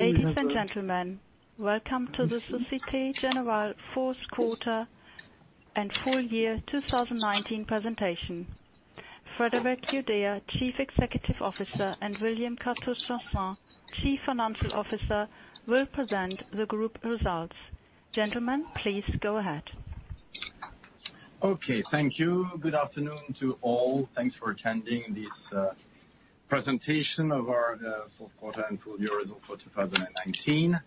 Ladies and gentlemen, welcome to the Société Générale fourth quarter and full year 2019 presentation. Frédéric Oudéa, Chief Executive Officer, and William Kadouch-Chassaing, Chief Financial Officer, will present the group results. Gentlemen, please go ahead. Okay. Thank you. Good afternoon to all. Thanks for attending this presentation of our fourth quarter and full year results for 2019.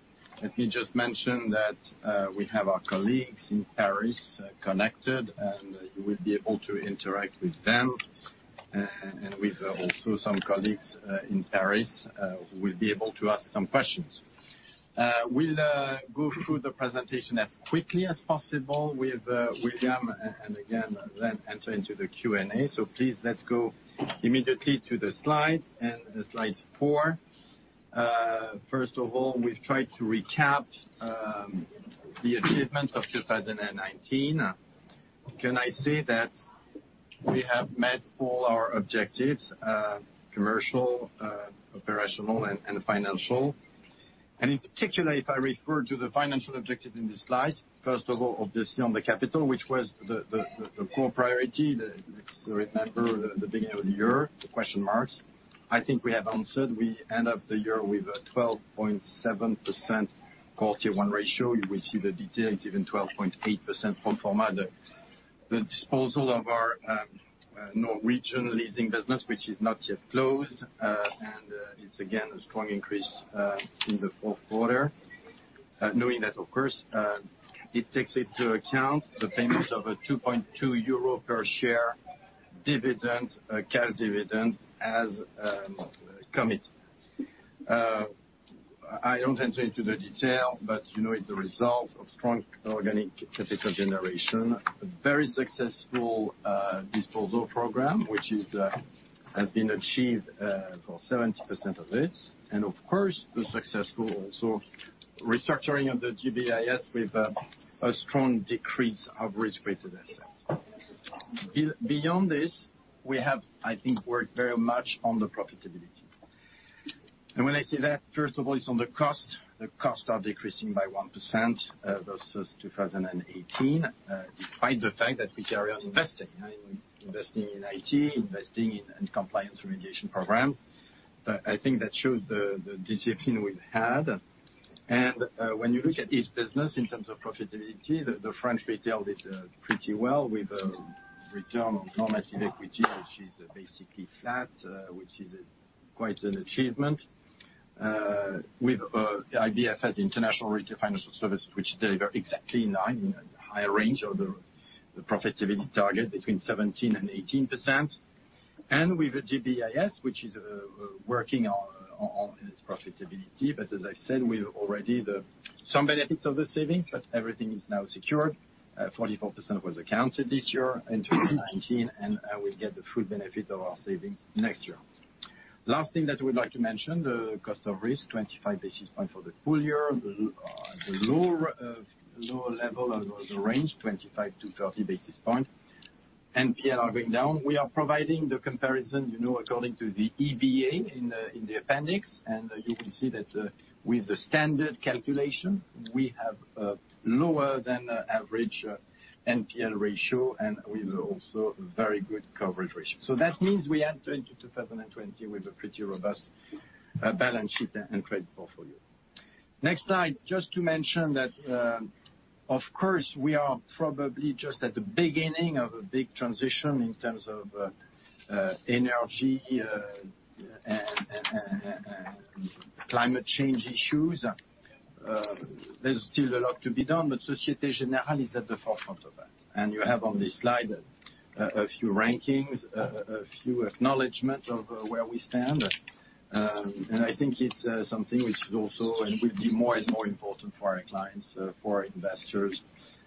Let me just mention that we have our colleagues in Paris connected, and you will be able to interact with them, and with also some colleagues in Paris who will be able to ask some questions. We'll go through the presentation as quickly as possible with William, and again, then enter into the Q&A. Please, let's go immediately to the slides, and the slide four. First of all, we've tried to recap the achievements of 2019. Can I say that we have met all our objectives, commercial, operational, and financial. In particular, if I refer to the financial objective in this slide, first of all, obviously on the capital, which was the core priority. Let's remember the beginning of the year, the question marks, I think we have answered. We end the year with a 12.7% Core Tier 1 ratio. You will see the detail, it's even 12.8% from the disposal of our Norwegian Equipment Finance, which is not yet closed. It's, again, a strong increase in the fourth quarter. Knowing that, of course, it takes into account the payments of a 2.2 euro per share dividend, cash dividend as committed. I don't enter into the detail, you know it's the results of strong organic capital generation. A very successful disposal program, which has been achieved for 70% of it. Of course, the successful also restructuring of the GBIS with a strong decrease of risk-weighted assets. Beyond this, we have, I think, worked very much on the profitability. When I say that, first of all, it's on the cost. The costs are decreasing by 1% versus 2018, despite the fact that we carry on investing in IT, investing in compliance remediation program. I think that shows the discipline we've had. When you look at each business in terms of profitability, the French retail did pretty well with a return on normative equity, which is basically flat, which is quite an achievement, with the IBFS, International Retail Financial Services, which deliver exactly in line, in the high range of the profitability target between 17% and 18%, and with the GBIS, which is working on its profitability. As I said, we've already the some benefits of the savings, but everything is now secured. 44% was accounted this year in 2019. We get the full benefit of our savings next year. Last thing that we'd like to mention, the cost of risk, 25 basis point for the full year. The lower level of the range, 25-30 basis point. NPL are going down. We are providing the comparison according to the EBA in the appendix. You will see that with the standard calculation, we have a lower than average NPL ratio, and with also very good coverage ratio. That means we enter into 2020 with a pretty robust balance sheet and credit portfolio. Next slide, just to mention that, of course, we are probably just at the beginning of a big transition in terms of energy and climate change issues. There's still a lot to be done, but Société Générale is at the forefront of that. You have on this slide a few rankings, a few acknowledgement of where we stand. I think it's something which is also, and will be more and more important for our clients, for our investors,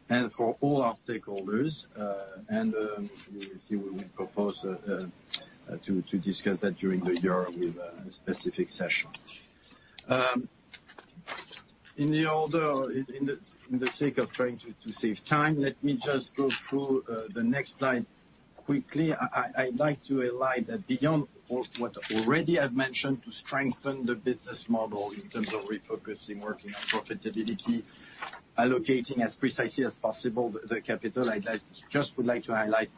and for all our stakeholders. We will see, we will propose to discuss that during the year with a specific session. In the sake of trying to save time, let me just go through the next slide quickly. I'd like to highlight that beyond what already I've mentioned to strengthen the business model in terms of refocusing, working on profitability, allocating as precisely as possible the capital. I just would like to highlight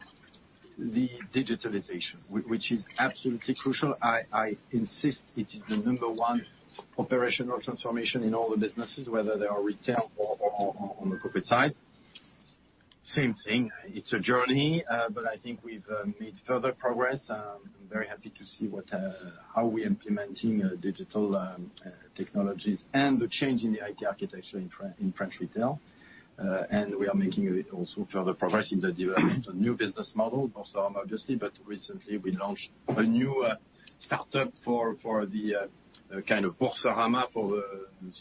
the digitalization, which is absolutely crucial. I insist it is the number one operational transformation in all the businesses, whether they are retail or on the corporate side. Same thing, it's a journey, but I think we've made further progress. I'm very happy to see how we implementing digital technologies and the change in the IT architecture in French retail. We are making also further progress in the development of new business model, Boursorama, obviously, but recently we launched a new startup for the kind of Boursorama for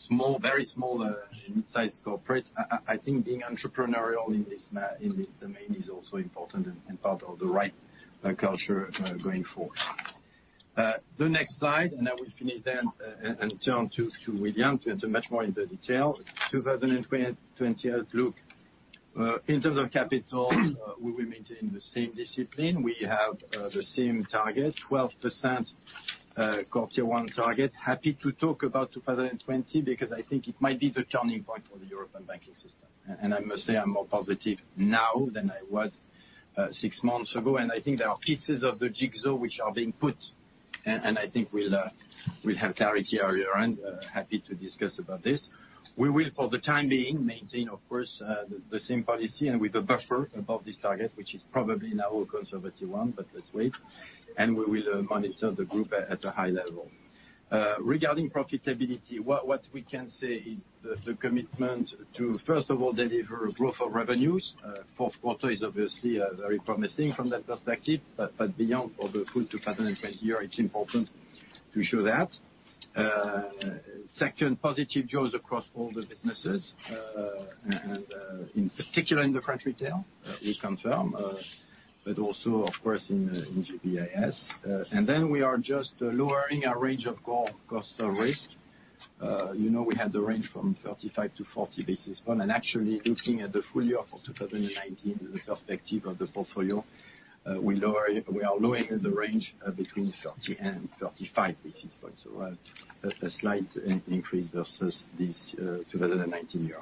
the very small and midsize corporates. I think being entrepreneurial in this domain is also important and part of the right culture going forward. The next slide, and I will finish then, and turn to William to enter much more into detail. 2020 outlook. In terms of capital, we will maintain the same discipline. We have the same target, 12% Tier 1 target. Happy to talk about 2020, because I think it might be the turning point for the European banking system. I must say, I'm more positive now than I was six months ago. I think there are pieces of the jigsaw which are being put. I think we'll have clarity earlier. Happy to discuss about this. We will, for the time being, maintain, of course, the same policy with a buffer above this target, which is probably now a conservative one. Let's wait. We will monitor the group at a high level. Regarding profitability, what we can say is the commitment to, first of all, deliver a growth of revenues. Fourth quarter is obviously very promising from that perspective. Beyond, for the full 2020 year, it's important to show that. Second, positive growth across all the businesses, in particular in the French retail, we confirm, also, of course, in GBIS. We are just lowering our range of core cost of risk. You know we had the range from 35-40 basis points. Actually, looking at the full year of 2019, the perspective of the portfolio, we are lowering the range between 30 and 35 basis points, so a slight increase versus this 2019 year.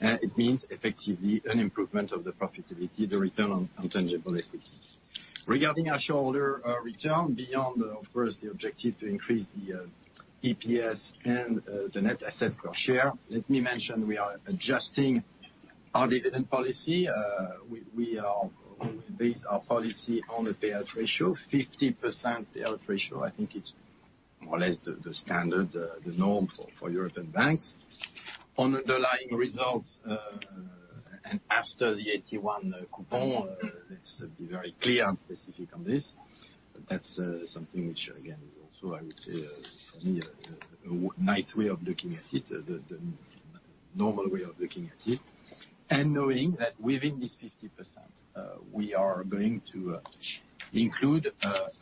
It means effectively an improvement of the profitability, the return on tangible equity. Regarding our shareholder return, beyond, of course, the objective to increase the EPS and the net asset per share, let me mention, we are adjusting our dividend policy. We will base our policy on a payout ratio, 50% payout ratio, I think it's more or less the standard, the norm for European banks. On underlying results, after the AT1 coupon, let's be very clear and specific on this. That's something which, again, is also, I would say, for me, a nice way of looking at it, the normal way of looking at it. Knowing that within this 50%, we are going to include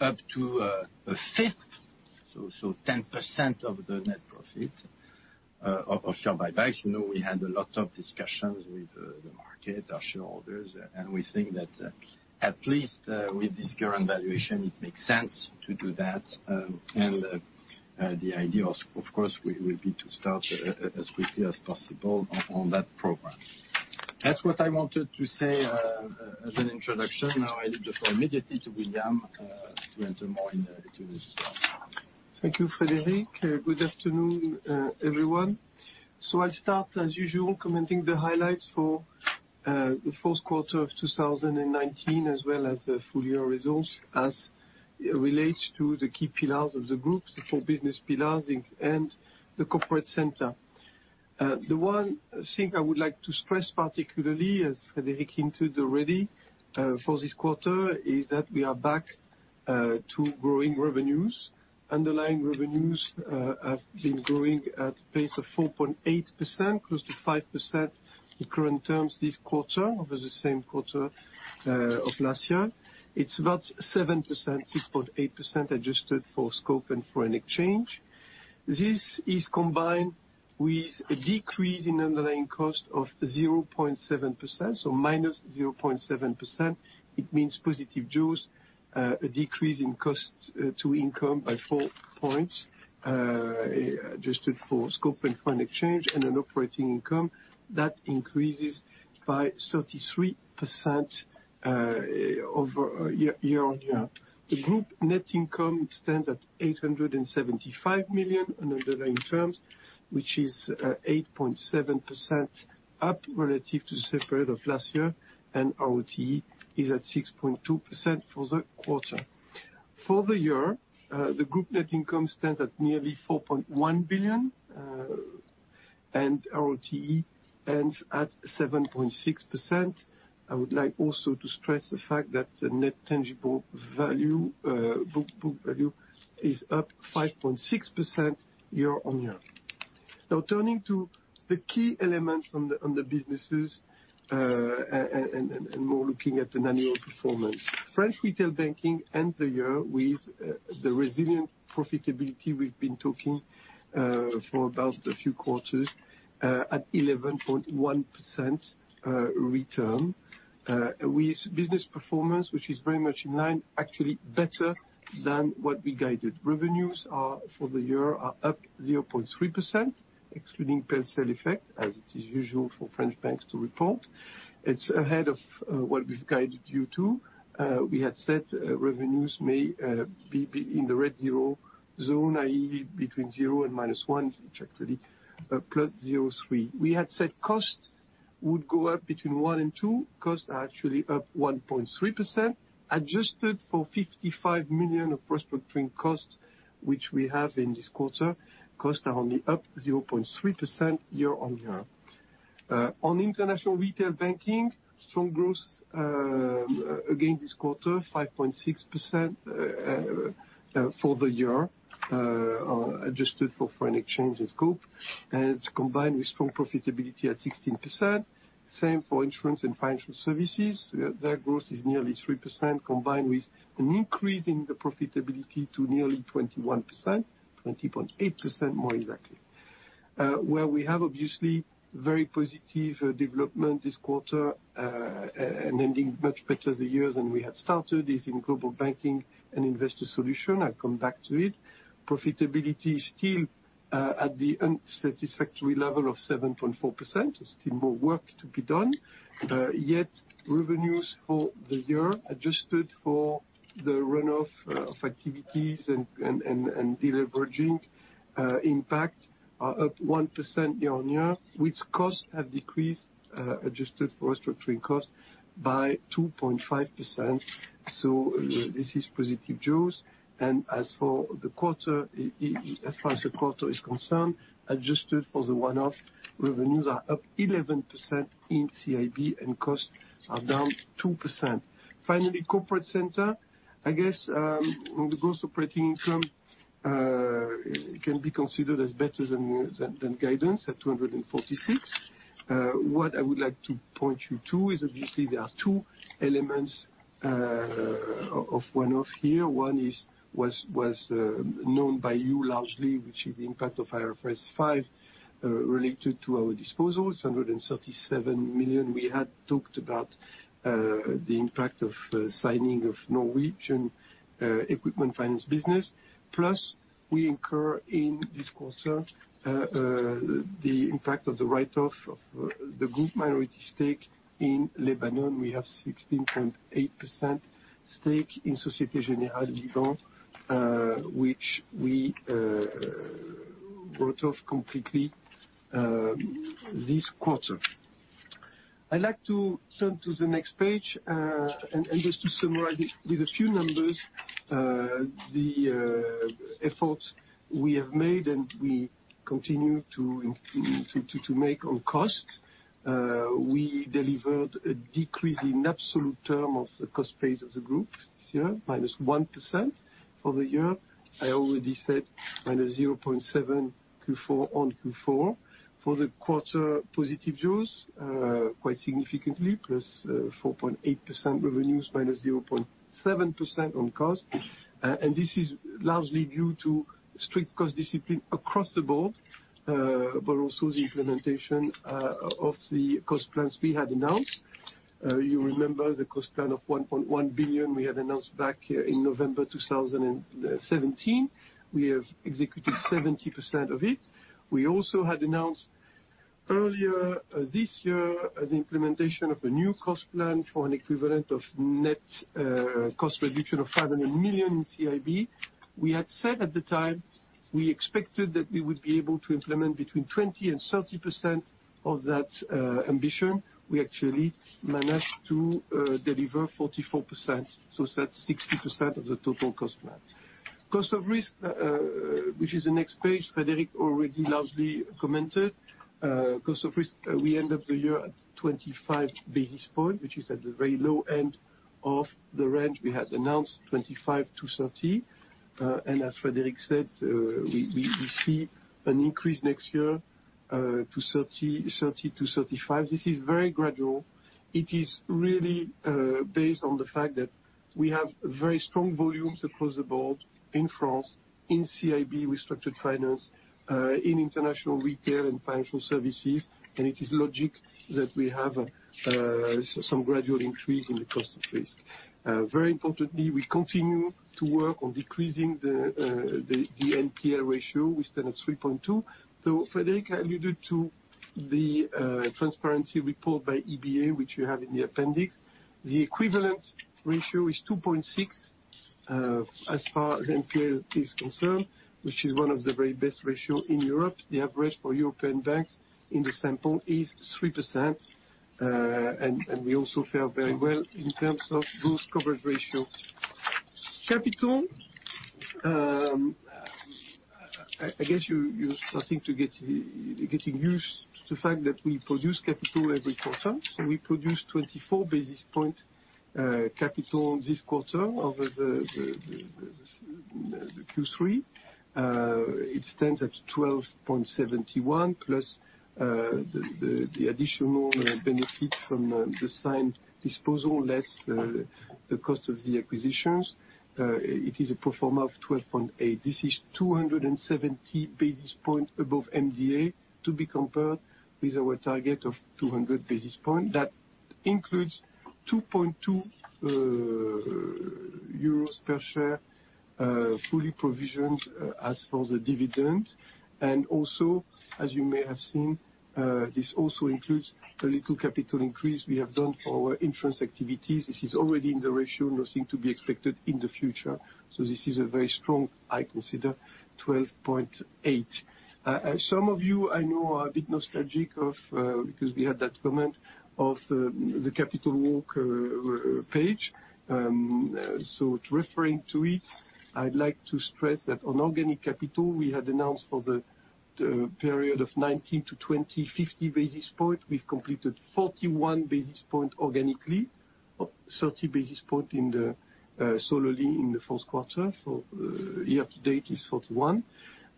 up to a fifth, so 10% of the net profit, of share buybacks. You know, we had a lot of discussions with the market, our shareholders, we think that at least with this current valuation, it makes sense to do that. The idea of course, will be to start as quickly as possible on that program. That's what I wanted to say as an introduction. Now I leave the floor immediately to William to enter more into the details Thank you, Frederic. Good afternoon, everyone. I'll start as usual, commenting the highlights for the fourth quarter of 2019, as well as the full-year results, as it relates to the key pillars of the groups, the core business pillars and the corporate center. The one thing I would like to stress particularly, as Frederic hinted already for this quarter, is that we are back to growing revenues. Underlying revenues have been growing at a pace of 4.8%, close to 5% in current terms this quarter, over the same quarter of last year. It's about 7%, 6.8% adjusted for scope and foreign exchange. This is combined with a decrease in underlying cost of 0.7%, minus 0.7%. It means positive yields, a decrease in costs to income by four points, adjusted for scope and foreign exchange, and an operating income that increases by 33% over year-on-year. The group net income stands at 875 million in underlying terms, which is 8.7% up relative to the same period of last year. RoTE is at 6.2% for the quarter. For the year, the group net income stands at nearly 4.1 billion. RoTE ends at 7.6%. I would like also to stress the fact that the net tangible book value is up 5.6% year-on-year. Turning to the key elements on the businesses, more looking at the annual performance. French retail banking end the year with the resilient profitability we've been talking for about a few quarters, at 11.1% return with business performance, which is very much in line, actually better than what we guided. Revenues for the year are up 0.3%, excluding PEL/CEL effect, as it is usual for French banks to report. It's ahead of what we've guided you to. We had said revenues may be in the red 0 zone, i.e., between 0% and minus 1%, which actually, plus 0.3%. We had said costs would go up between 1% and 2%. Costs are actually up 1.3%, adjusted for 55 million of restructuring costs, which we have in this quarter. Costs are only up 0.3% year-on-year. On international retail banking, strong growth again this quarter, 5.6% for the year, adjusted for foreign exchange and scope. Combined with strong profitability at 16%. Same for insurance and financial services. Their growth is nearly 3%, combined with an increase in the profitability to nearly 21%, 20.8% more exactly. Where we have obviously very positive development this quarter, and ending much better the year than we had started, is in Global Banking and Investor Solutions. I'll come back to it. Profitability is still at the unsatisfactory level of 7.4%. There is still more work to be done. Revenues for the year, adjusted for the run-off of activities and deleveraging impact, are up 1% year-on-year, with costs have decreased, adjusted for restructuring costs, by 2.5%. This is positive news. As far as the quarter is concerned, adjusted for the one-off, revenues are up 11% in CIB and costs are down 2%. Corporate Center, I guess, the gross operating income can be considered as better than guidance at 246. What I would like to point you to is obviously there are two elements of one-off here. One was known by you largely, which is the impact of IFRS 5 related to our disposals, 137 million. We had talked about the impact of signing of Norwegian Equipment Finance business. Plus, we incur in this quarter the impact of the write-off of the group minority stake in Lebanon. We have 16.8% stake in Société Générale Liban, which we wrote off completely this quarter. I'd like to turn to the next page, just to summarize it with a few numbers, the efforts we have made and we continue to make on cost. We delivered a decrease in absolute term of the cost base of the group this year, minus 1% for the year. I already said minus 0.7% on Q4. For the quarter, positive news, quite significantly, plus 4.8% revenues, minus 0.7% on cost. This is largely due to strict cost discipline across the board, but also the implementation of the cost plans we had announced. You remember the cost plan of 1.1 billion we had announced back in November 2017. We have executed 70% of it. We also had announced earlier this year the implementation of a new cost plan for an equivalent of net cost reduction of 500 million in CIB. We had said at the time, we expected that we would be able to implement between 20%-30% of that ambition. We actually managed to deliver 44%, so that's 60% of the total cost plan. Cost of risk, which is the next page Frédéric already largely commented. Cost of risk, we end up the year at 25 basis point, which is at the very low end of the range we had announced, 25-30 basis points. As Frédéric said, we see an increase next year to 30-35 basis points. This is very gradual. It is really based on the fact that we have very strong volumes across the board in France, in CIB, restructured finance, in international retail and financial services, it is logic that we have some gradual increase in the cost of risk. Very importantly, we continue to work on decreasing the NPL ratio. We stand at 3.2%. Frédéric alluded to the transparency report by EBA, which you have in the appendix. The equivalent ratio is 2.6% as far as NPL is concerned, which is one of the very best ratio in Europe. We also fare very well in terms of boost coverage ratio. Capital. I guess you're starting to getting used to the fact that we produce capital every quarter, we produced 24 basis point capital this quarter over the Q3. It stands at 12.71, plus the additional benefit from the signed disposal, less the cost of the acquisitions. It is a pro forma of 12.8. This is 270 basis points above MDA to be compared with our target of 200 basis points. That includes 2.20 euros per share, fully provisioned as for the dividend. Also, as you may have seen, this also includes a little capital increase we have done for our insurance activities. This is already in the ratio, nothing to be expected in the future. This is a very strong, I consider, 12.8. Some of you, I know, are a bit nostalgic of, because we had that comment, of the capital walk page. Referring to it, I'd like to stress that on organic capital, we had announced for the period of '19 to '20, 50 basis points. We've completed 41 basis points organically, up 30 basis points solely in the fourth quarter. For year to date is 41.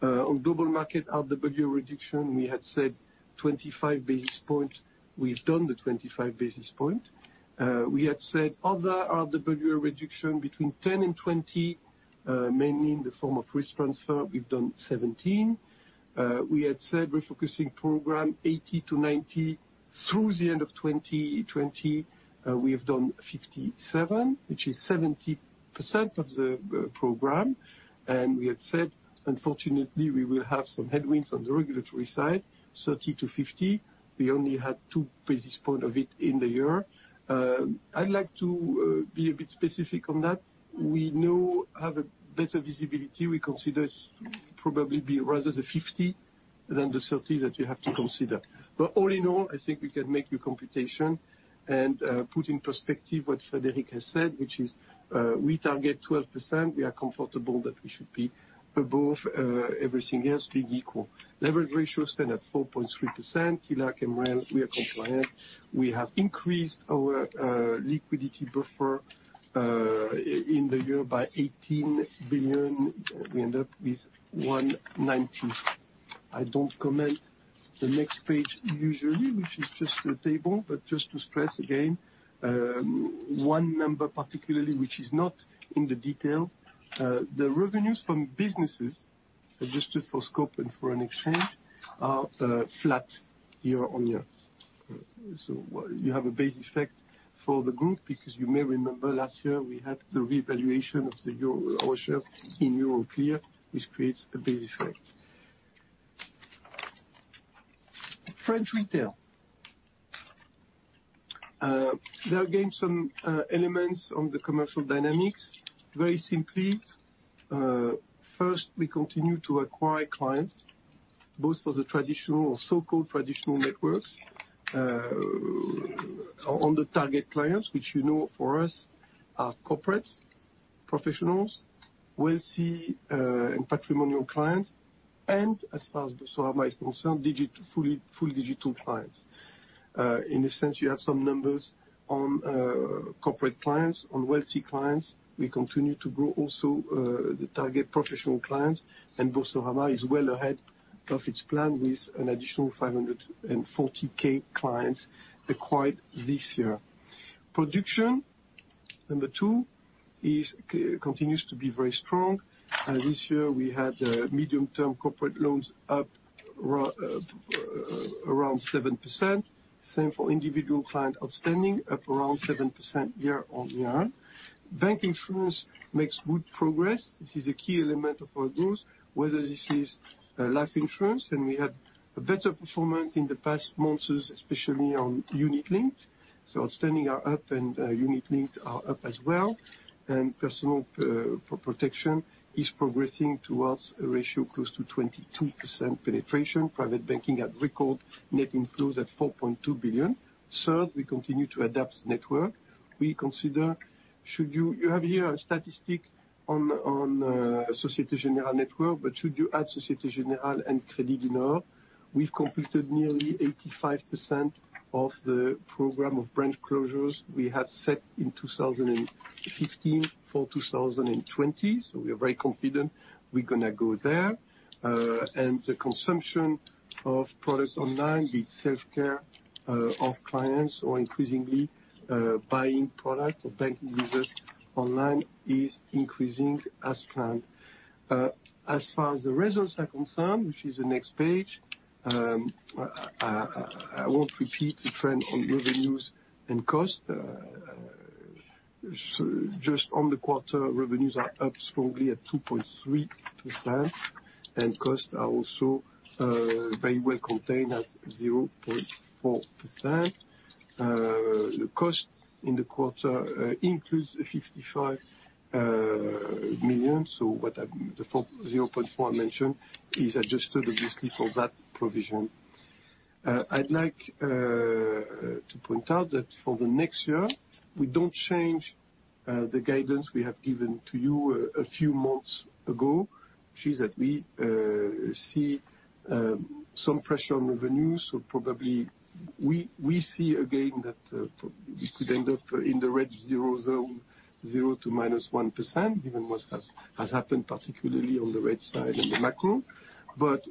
On global market RWA reduction, we had said 25 basis points, we've done the 25 basis points. We had said other RWA reduction between 10 and 20, mainly in the form of risk transfer, we've done 17. We had said refocusing program 80 to 90 through the end of 2020, we have done 57, which is 70% of the program. We had said, unfortunately, we will have some headwinds on the regulatory side, 30 to 50. We only had two basis points of it in the year. I'd like to be a bit specific on that. We now have a better visibility. We consider this probably be rather the 50 than the 30 that you have to consider. All in all, I think we can make the computation and, put in perspective what Frédéric has said, which is, we target 12%, we are comfortable that we should be above, everything else being equal. Leverage ratio stand at 4.3%, TLAC and MREL, we are compliant. We have increased our liquidity buffer in the year by 18 billion. We end up with 119 billion. I don't comment the next page usually, which is just a table, but just to stress again, one number particularly which is not in the detail. The revenues from businesses, adjusted for scope and foreign exchange, are flat year-on-year. You have a base effect for the group because you may remember last year we had the revaluation of the Euro Actions in Euroclear, which creates a base effect. French Retail. Again, some elements on the commercial dynamics. Very simply, first, we continue to acquire clients, both for the traditional or so-called traditional networks, on the target clients, which you know for us are corporates, professionals, wealthy, and patrimonial clients. As far as Boursorama is concerned, fully digital clients. In a sense, you have some numbers on corporate clients, on wealthy clients. We continue to grow also, the target professional clients, and Boursorama is well ahead of its plan with an additional 540k clients acquired this year. Production, number two, continues to be very strong. This year we had medium-term corporate loans up around 7%. Same for individual client outstanding, up around 7% year-on-year. Bank insurance makes good progress. This is a key element of our growth, whether this is life insurance, and we had a better performance in the past months, especially on unit-linked. Outstanding are up, and unit linked are up as well. Personal protection is progressing towards a ratio close to 22% penetration. Private banking at record net inflows at 4.2 billion. Third, we continue to adapt network. You have here a statistic on Société Générale network. Should you add Société Générale and Crédit du Nord, we've completed nearly 85% of the program of branch closures we had set in 2015 for 2020. We are very confident we're going to go there. The consumption of products online, be it self-care, of clients or increasingly, buying products or banking business online is increasing as planned. As far as the results are concerned, which is the next page, I won't repeat the trend on revenues and cost. Just on the quarter, revenues are up strongly at 2.3%, and costs are also very well contained at 0.4%. Cost in the quarter includes 55 million. The 0.4% I mentioned is adjusted obviously for that provision. I'd like to point out that for the next year, we don't change the guidance we have given to you a few months ago, which is that we see some pressure on revenue. Probably we see again that we could end up in the red zero zone, 0% to -1%, given what has happened, particularly on the rate side and the macro.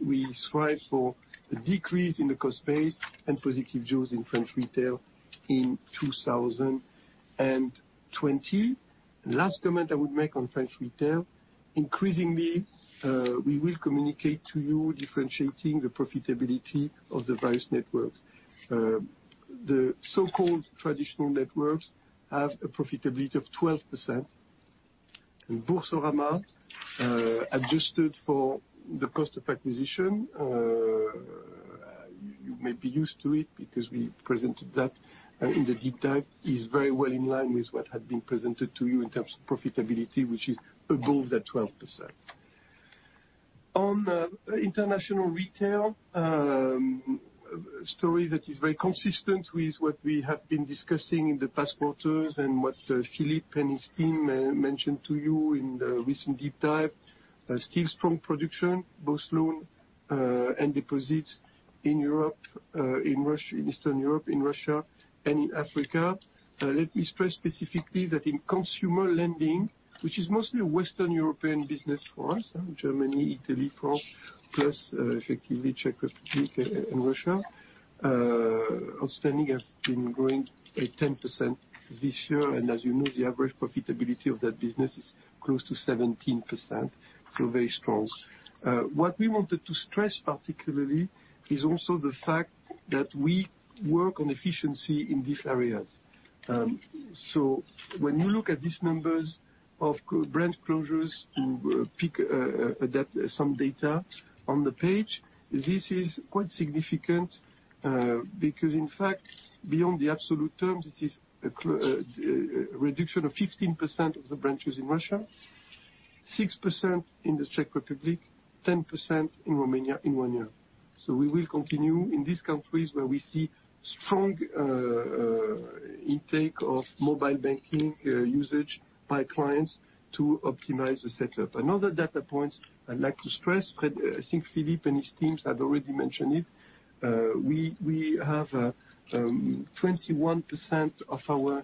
We strive for a decrease in the cost base and positive yields in French Retail in 2020. Last comment I would make on French Retail, increasingly, we will communicate to you differentiating the profitability of the various networks. The so-called traditional networks have a profitability of 12%, and Boursorama, adjusted for the cost of acquisition, you may be used to it because we presented that in the deep dive, is very well in line with what had been presented to you in terms of profitability, which is above that 12%. On International Retail, a story that is very consistent with what we have been discussing in the past quarters and what Philippe and his team mentioned to you in the recent deep dive. Still strong production, both loan and deposits in Europe, in Eastern Europe, in Russia, and in Africa. Let me stress specifically that in consumer lending, which is mostly a Western European business for us, Germany, Italy, France, plus effectively Czech Republic and Russia, outstanding has been growing at 10% this year. As you know, the average profitability of that business is close to 17%. Very strong. What we wanted to stress particularly is also the fact that we work on efficiency in these areas. When you look at these numbers of branch closures, to pick some data on the page, this is quite significant. In fact, beyond the absolute terms, this is a reduction of 15% of the branches in Russia, 6% in the Czech Republic, 10% in Romania in one year. We will continue in these countries where we see strong intake of mobile banking usage by clients to optimize the setup. Another data point I'd like to stress, I think Philippe and his teams have already mentioned it, we have 21% of our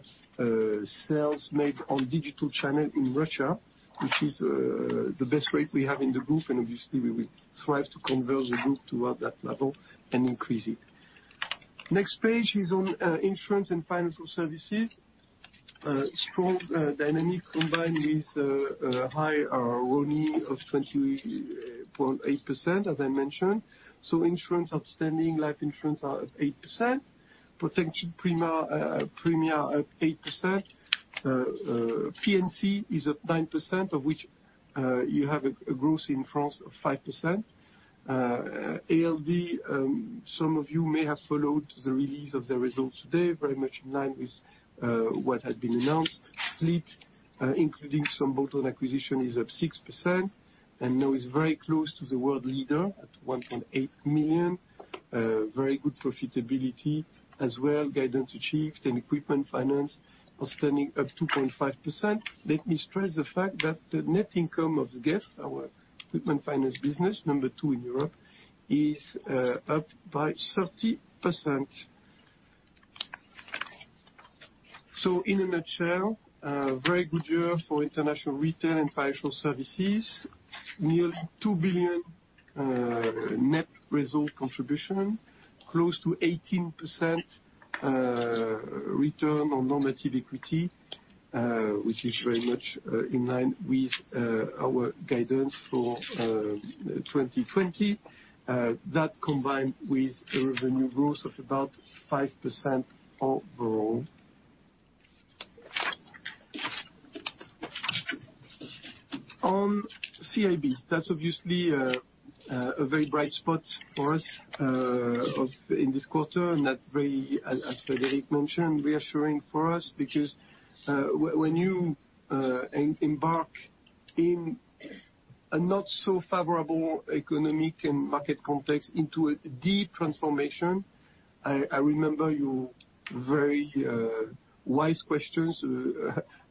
sales made on digital channel in Russia, which is the best rate we have in the group. Obviously, we will strive to convert the group toward that level and increase it. Next page is on insurance and financial services. A strong dynamic combined with a high ROI of 20.8%, as I mentioned. Insurance outstanding, life insurance are up 8%. Protected premium up 8%. P&C is up 9%, of which you have a growth in France of 5%. ALD, some of you may have followed the release of the results today, very much in line with what has been announced. Fleet, including some bolt-on acquisition, is up 6% and now is very close to the world leader at 1.8 million. Very good profitability as well, guidance achieved. Equipment finance outstanding up 2.5%. Let me stress the fact that the net income of SGEF, our equipment finance business, number two in Europe, is up by 30%. In a nutshell, a very good year for international retail and financial services. Nearly 2 billion net result contribution, close to 18% return on normative equity, which is very much in line with our guidance for 2020. That combined with a revenue growth of about 5% overall. On CIB, that's obviously a very bright spot for us in this quarter, and that's very, as Frédéric mentioned, reassuring for us. When you embark in a not so favorable economic and market context into a deep transformation, I remember your very wise questions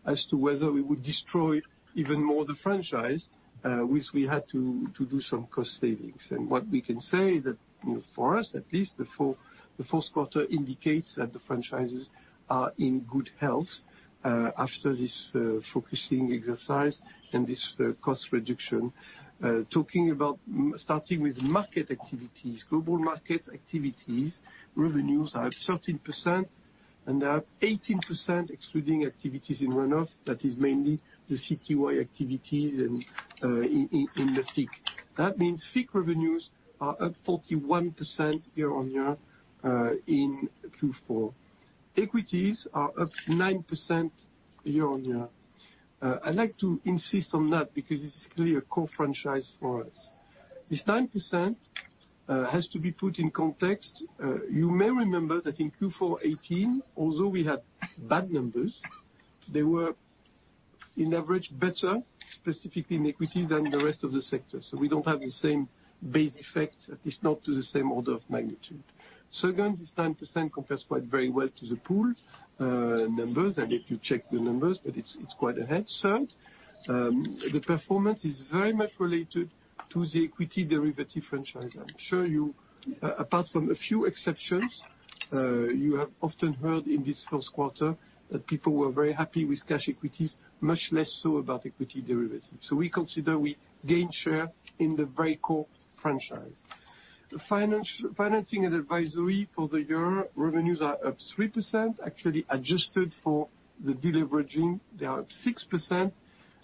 as to whether we would destroy even more the franchise, which we had to do some cost savings. What we can say is that, for us at least, the fourth quarter indicates that the franchises are in good health after this focusing exercise and this cost reduction. Starting with market activities, Global Markets activities, revenues are up 13%, they are up 18% excluding activities in runoff. That is mainly the CTD activities in the FICC. That means FICC revenues are up 41% year-on-year in Q4. Equities are up 9% year-on-year. I'd like to insist on that because this is clearly a core franchise for us. This 9% has to be put in context. You may remember that in Q4 2018, although we had bad numbers, they were on average better, specifically in equities, than the rest of the sector. We don't have the same base effect, at least not to the same order of magnitude. Again, this 9% compares quite very well to the pooled numbers. I'll let you check the numbers, it's quite ahead. Third, the performance is very much related to the equity derivative franchise. I'm sure you, apart from a few exceptions, you have often heard in this first quarter that people were very happy with cash equities, much less so about equity derivatives. We consider we gained share in the very core franchise. Financing and Advisory for the year, revenues are up 3%. Actually, adjusted for the deleveraging, they are up 6%.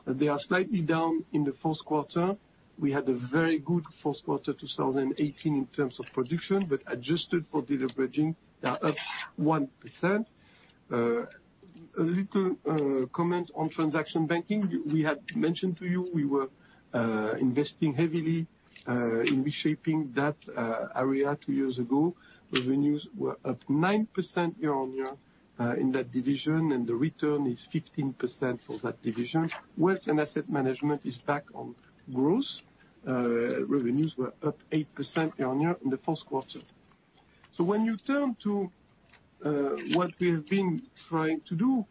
They are slightly down in the first quarter. We had a very good first quarter 2018 in terms of production, adjusted for deleveraging, they are up 1%. A little comment on transaction banking. We had mentioned to you we were investing heavily in reshaping that area two years ago. Revenues were up 9% year-on-year in that division, the return is 15% for that division. Wealth and Asset Management is back on growth. Revenues were up 8% year-on-year in the first quarter. When you turn to what we have been trying to do,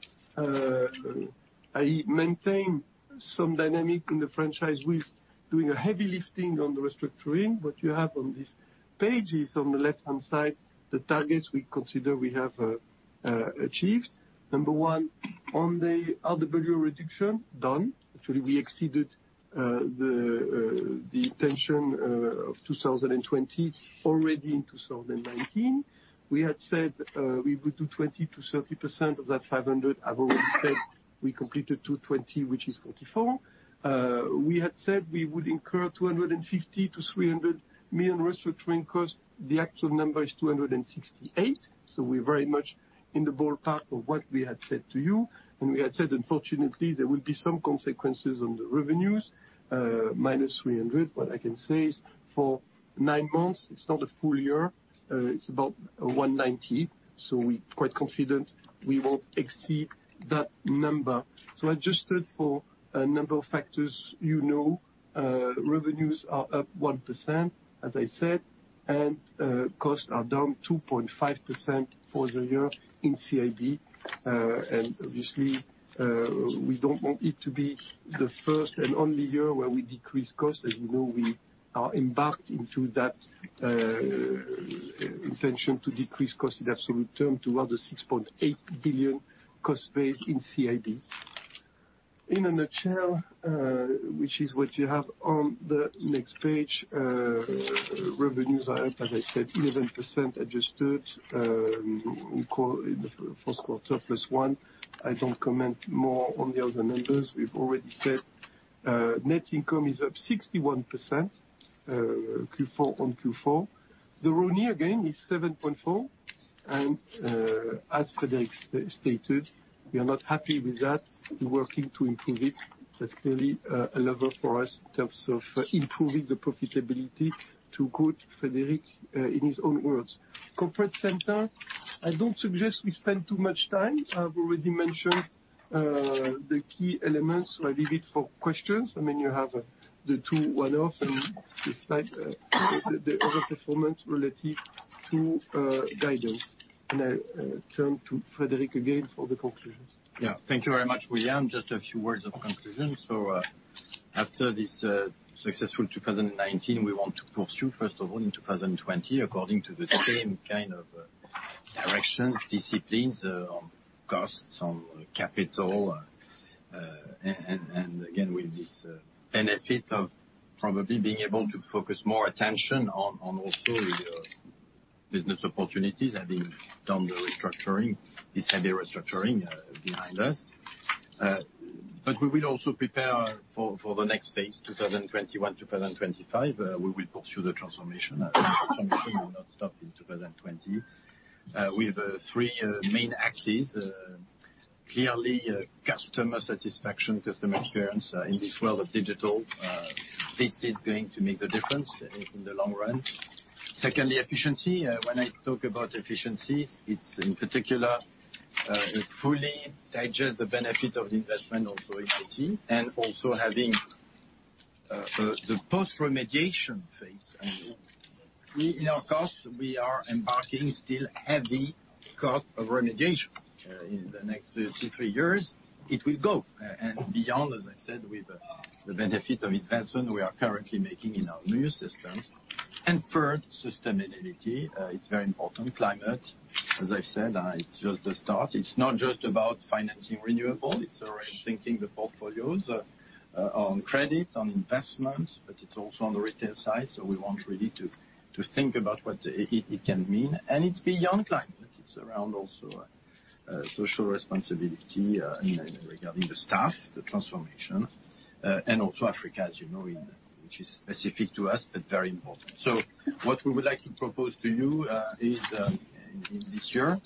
I maintain some dynamic in the franchise with doing a heavy lifting on the restructuring. What you have on this page is on the left-hand side, the targets we consider we have achieved. Number 1, on the RWA reduction, done. Actually, we exceeded the intention of 2020 already in 2019. We had said we would do 20%-30% of that 500. I've already said we completed 220, which is 44%. We had said we would incur 250 million-300 million restructuring costs. The actual number is 268, we're very much in the ballpark of what we had said to you. We had said, unfortunately, there will be some consequences on the revenues, -300. What I can say is for nine months, it's not a full year, it's about 190. We're quite confident we won't exceed that number. Adjusted for a number of factors, you know revenues are up 1%, as I said, and costs are down 2.5% for the year in CIB. Obviously, we don't want it to be the first and only year where we decrease costs. As you know, we are embarked into that intention to decrease costs in absolute term to around the 6.8 billion cost base in CIB. In a nutshell, which is what you have on the next page, revenues are up, as I said, 11% adjusted in the first quarter, plus one. I don't comment more on the other numbers. We've already said net income is up 61% Q4 on Q4. The RONE again is 7.4. As Frédéric stated, we are not happy with that. We're working to improve it. That's clearly a lever for us in terms of improving the profitability to quote Frédéric in his own words. Corporate Center, I don't suggest we spend too much time. I've already mentioned the key elements. I leave it for questions. You have the two one-offs and this type, the overperformance relative to guidance. I turn to Frédéric again for the conclusions. Yeah. Thank you very much, William. Just a few words of conclusion. After this successful 2019, we want to pursue, first of all, in 2020, according to the same kind of directions, disciplines on costs, on capital, and again, with this benefit of probably being able to focus more attention on also the business opportunities, having done the restructuring, this heavy restructuring behind us. We will also prepare for the next phase, 2021-2025. We will pursue the transformation. Transformation will not stop in 2020. We have three main axes. Clearly, customer satisfaction, customer experience in this world of digital, this is going to make the difference in the long run. Secondly, efficiency. When I talk about efficiencies, it's in particular, fully digest the benefit of the investment on and also having the post-remediation phase. In our costs, we are embarking still heavy cost of remediation. In the next two, three years, it will go. Beyond, as I said, with the benefit of investment we are currently making in our new systems. Third, sustainability. It's very important. Climate, as I said, it's just a start. It's not just about financing renewable, it's rethinking the portfolios on credit, on investment, but it's also on the retail side. We want really to think about what it can mean. It's beyond climate. It's around also social responsibility regarding the staff, the transformation, and also Africa, as you know, which is specific to us, but very important. What we would like to propose to you is, in this year,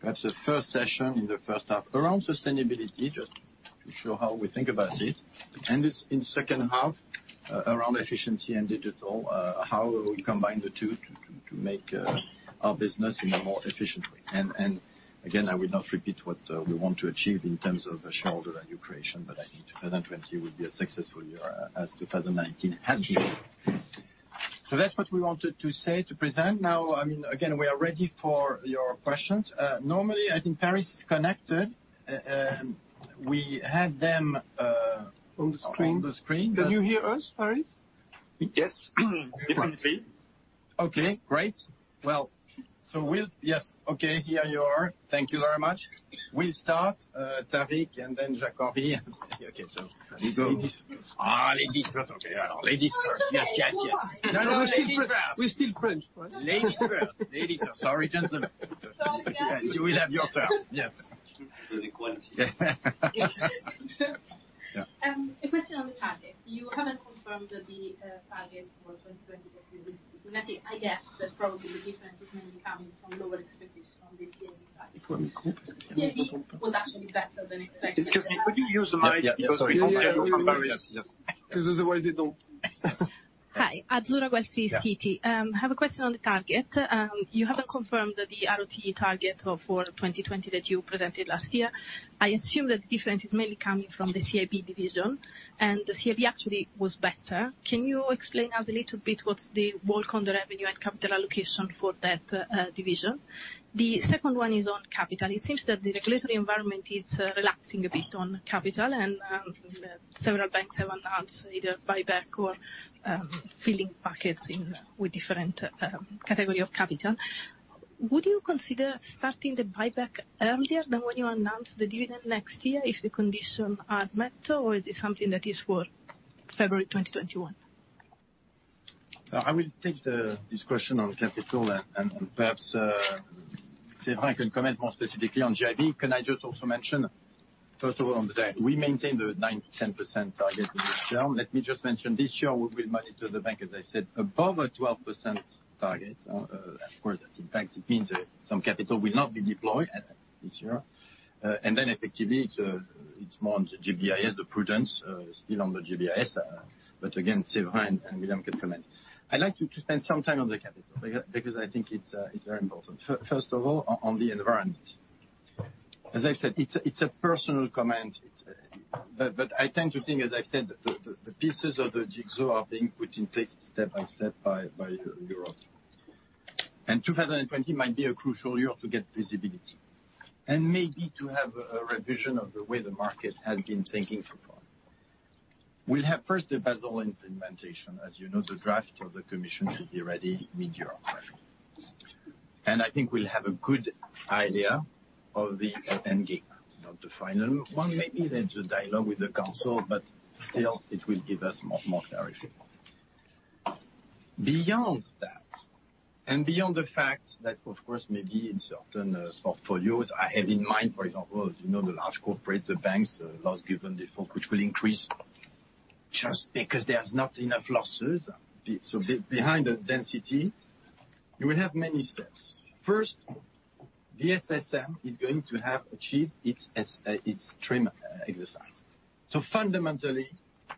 perhaps a first session in the first half around sustainability, just to show how we think about it. It's in second half, around efficiency and digital, how we combine the two to make our business in a more efficient way. Again, I will not repeat what we want to achieve in terms of shareholder value creation, but I think 2020 will be a successful year as 2019 has been. That's what we wanted to say, to present. Again, we are ready for your questions. On the screen. on the screen. Can you hear us, Philippe? Yes, definitely. Okay, great. Well, Yes. Okay, here you are. Thank you very much. We'll start. Tarik and then Jacques. Okay. Ladies first. Ladies first. Okay. Ladies first. Yes. It's okay. Yes. No, we're still French. Ladies first. Sorry, gentlemen. Sorry, guys. You will have your turn. Yes. The quantity. Yeah. A question on the target. You haven't confirmed the target for 2020. I guess that probably the difference is mainly coming from lower expectations on the CIB side. For me. CIB was actually better than expected. Excuse me, could you use the mic because we don't hear you from Paris? Yes. Because otherwise they don't. Flora Bocahut, Citi. Yeah. I have a question on the target. You haven't confirmed the ROTE target for 2020 that you presented last year. I assume that the difference is mainly coming from the CIB division, and the CIB actually was better. Can you explain us a little bit what's the work on the revenue and capital allocation for that division? The second one is on capital. It seems that the regulatory environment is relaxing a bit on capital, and several banks have announced either buyback or filling pockets with different category of capital. Would you consider starting the buyback earlier than when you announce the dividend next year if the condition are met, or is it something that is for February 2021? I will take this question on capital and perhaps Séverin can comment more specifically on GBIS. Can I just also mention, first of all, on the day, we maintain the 9% target this year. Let me just mention, this year we will monitor the bank, as I said, above a 12% target. Of course, that in fact it means some capital will not be deployed this year. Effectively, it's more on the GBIS as the prudence still on the GBIS, but again, Séverin and William can comment. I'd like to spend some time on the capital because I think it's very important. First of all, on the environment. As I said, it's a personal comment, but I tend to think, as I said, the pieces of the jigsaw are being put in place step by step by Europe. 2020 might be a crucial year to get visibility. Maybe to have a revision of the way the market has been thinking so far. We'll have first the Basel implementation. As you know, the draft of the Commission should be ready mid-year roughly. I think we'll have a good idea of the end game, not the final one. Maybe there's a dialogue with the Council, but still, it will give us more clarity. Beyond that, and beyond the fact that, of course, maybe in certain portfolios, I have in mind, for example, the large corporates, the banks, the loss given default, which will increase just because there's not enough losses. Behind the density, you will have many steps. First, the SSM is going to have achieved its TRIM exercise. Fundamentally,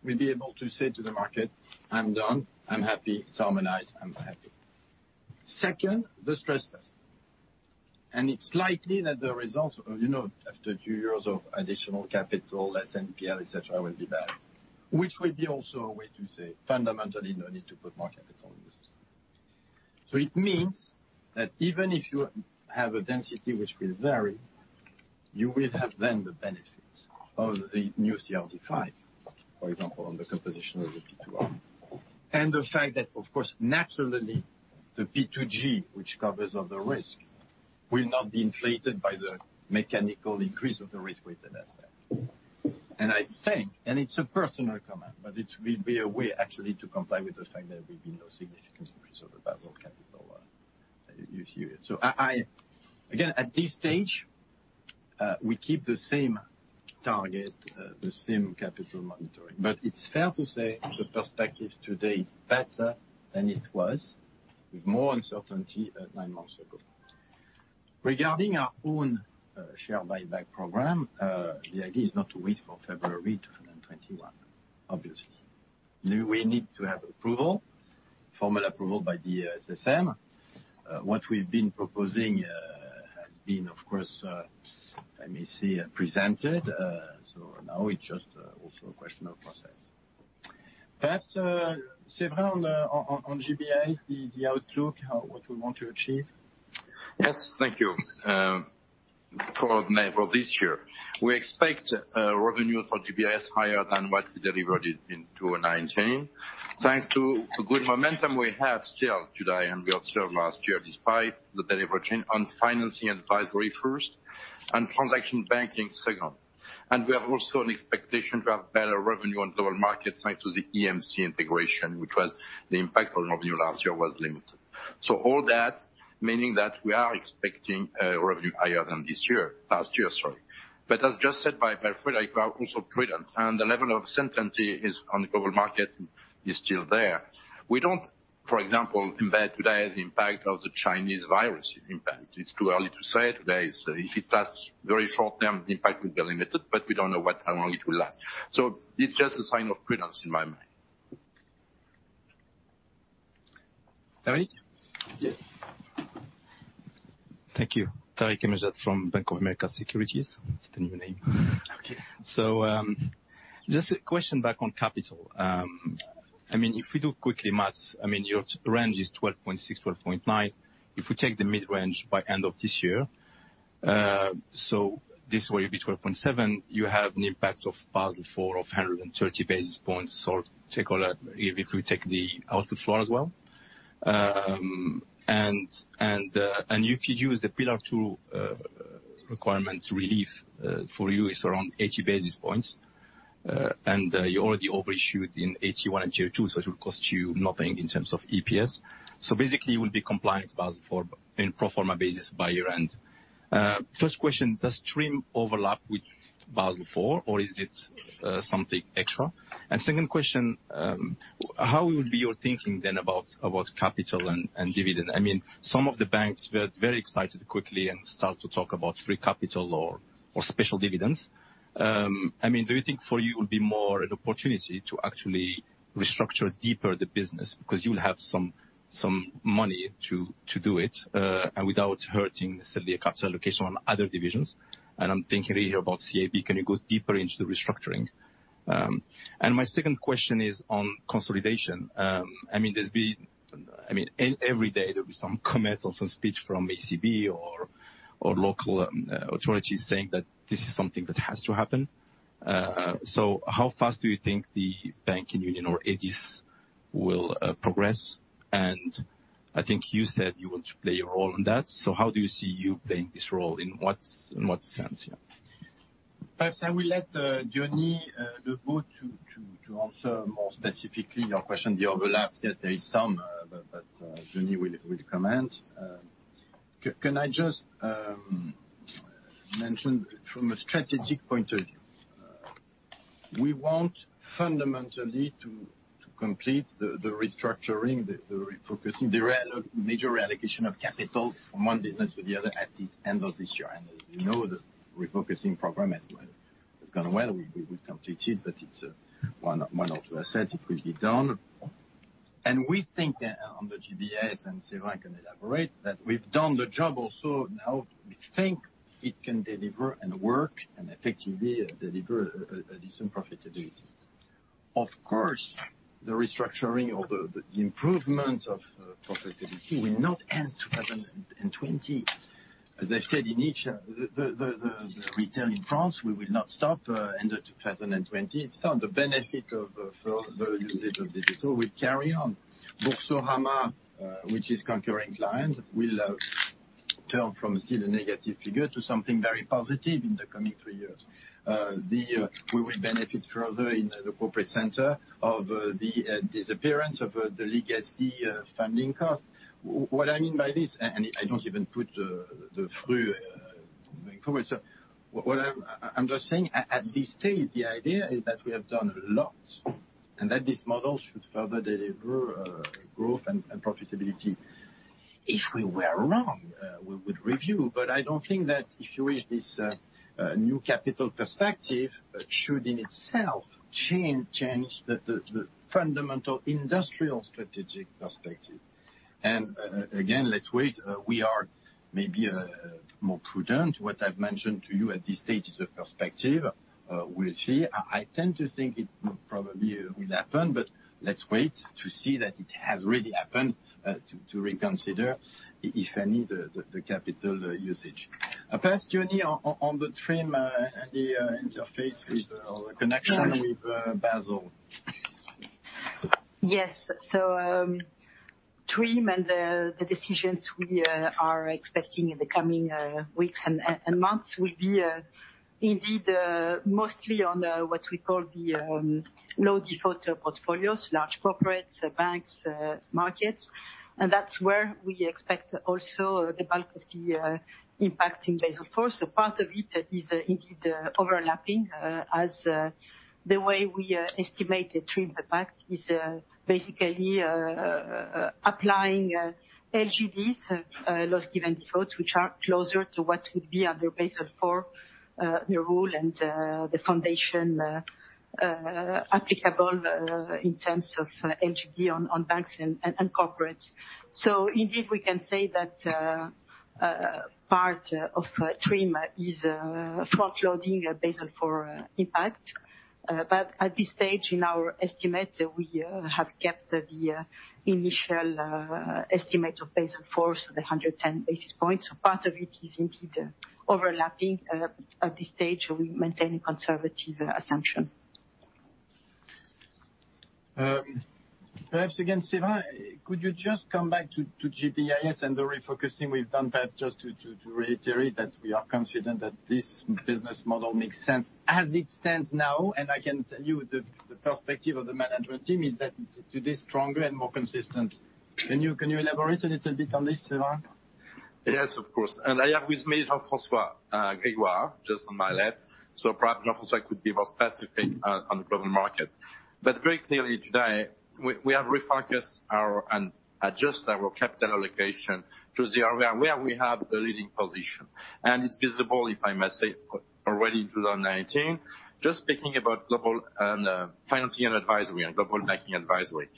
we'll be able to say to the market, "I'm done. I'm happy. It's harmonized. I'm happy." Second, the stress test. It's likely that the results, after two years of additional capital, less NPL, et cetera, will be back. Which will be also a way to say, fundamentally, no need to put more capital in the system. It means that even if you have a density which will vary, you will have then the benefit of the new CRD V, for example, on the composition of the P2R. The fact that, of course, naturally, the P2G, which covers other risk, will not be inflated by the mechanical increase of the risk-weighted asset. I think, and it's a personal comment, but it will be a way actually to comply with the fact that there will be no significant increase of the Basel capital this year. Again, at this stage, we keep the same target, the same capital monitoring. It's fair to say the perspective today is better than it was, with more uncertainty nine months ago. Regarding our own share buyback program, the idea is not to wait for February 2021, obviously. We need to have approval, formal approval by the SSM. What we've been proposing has been, of course, presented. Now it's just also a question of process. Perhaps, Séverin, on GBIS, the outlook, what we want to achieve. Yes. Thank you. For this year, we expect revenue for GBIS higher than what we delivered in 2019. Thanks to good momentum we have still today, and we observed last year, despite the delivery chain on financing advisory first, and transaction banking second. We have also an expectation to have better revenue on global markets thanks to the EMC integration, which was the impact on revenue last year was limited. All that, meaning that we are expecting revenue higher than this year, last year, sorry. As just said by Frédéric, we are also prudent, and the level of certainty on the global market is still there. We don't, for example, embed today the impact of the Chinese virus impact. It's too early to say. Today, if it has very short-term impact, will be limited, but we don't know how long it will last. It's just a sign of prudence in my mind. Tarik? Yes. Thank you. Tarik El Mejjad from Bank of America Securities. It's the new name. Okay. Just a question back on capital. If we do quickly math, your range is 12.6-12.9. If we take the mid-range by end of this year, this will be 12.7. You have an impact of Basel IV of 130 basis points, or take all that, if we take the output floor as well. If you use the Pillar 2 requirements relief, for you, it's around 80 basis points. You already overshoot in AT1 and tier 2, so it will cost you nothing in terms of EPS. Basically, you will be compliant Basel IV in pro forma basis by year-end. First question, does TRIM overlap with Basel IV, or is it something extra? Second question, how would be your thinking then about capital and dividend? Some of the banks were very excited quickly and start to talk about free capital or special dividends. Do you think for you it would be more an opportunity to actually restructure deeper the business, because you'll have some money to do it, and without hurting necessarily a capital allocation on other divisions? I'm thinking here about CIB, can you go deeper into the restructuring? My second question is on consolidation. Every day there'll be some comments or some speech from ECB or local authorities saying that this is something that has to happen. How fast do you think the banking union or EDIS will progress? I think you said you want to play a role in that, so how do you see you playing this role? In what sense? Perhaps I will let Diony Lebot to answer more specifically your question. The overlap, yes, there is some. Diony will comment. Can I just mention from a strategic point of view, we want fundamentally to complete the restructuring, the refocusing, the major reallocation of capital from one business to the other at the end of this year. You know the refocusing program has gone well. We will complete it. It's one or two assets, it will be done. We think that on the GBIS, Séverin can elaborate, that we've done the job also now we think it can deliver and work and effectively deliver a decent profitability. Of course, the restructuring or the improvement of profitability will not end 2020. As I said, in each, the retail in France, we will not stop end of 2020. It's not the benefit of the usage of digital. We'll carry on. Boursorama, which is conquering clients, will turn from still a negative figure to something very positive in the coming three years. We will benefit further in the corporate center of the disappearance of the legacy funding cost. What I mean by this, I don't even put the full going forward. What I'm just saying, at this stage, the idea is that we have done a lot, and that this model should further deliver growth and profitability. If we were wrong, we would review, but I don't think that if you wish this new capital perspective should in itself change the fundamental industrial strategic perspective. Again, let's wait. We are maybe more prudent. What I've mentioned to you at this stage is a perspective. We'll see. I tend to think it probably will happen, but let's wait to see that it has really happened, to reconsider, if any, the capital usage. Perhaps, Diony, on the TRIM and the interface with or the connection with Basel. Yes. TRIM and the decisions we are expecting in the coming weeks and months will be indeed, mostly on what we call the low default portfolios, large corporates, banks, markets. That's where we expect also the bulk of the impact in Basel IV. Part of it is indeed overlapping, as the way we estimate the TRIM impact is basically applying LGDs, loss-given-defaults, which are closer to what will be under Basel IV, the rule and the foundation applicable in terms of LGD on banks and corporates. Indeed, we can say that part of TRIM is front-loading a Basel IV impact. At this stage in our estimate, we have kept the initial estimate of Basel IV, so the 110 basis points. Part of it is indeed overlapping. At this stage, we maintain a conservative assumption. Perhaps again, Séverin, could you just come back to GBIS and the refocusing? We've done that just to reiterate that we are confident that this business model makes sense as it stands now. I can tell you the perspective of the management team is that it is today stronger and more consistent. Can you elaborate a little bit on this, Séverin? Yes, of course. I have with me Jean-François Grégoire, just on my left. Perhaps Jean-François could be more specific on the global market. Very clearly today, we have refocused and adjust our capital allocation to the area where we have the leading position. It's visible, if I may say, already through 2019. Just speaking about global and financing and advisory and global banking advisory.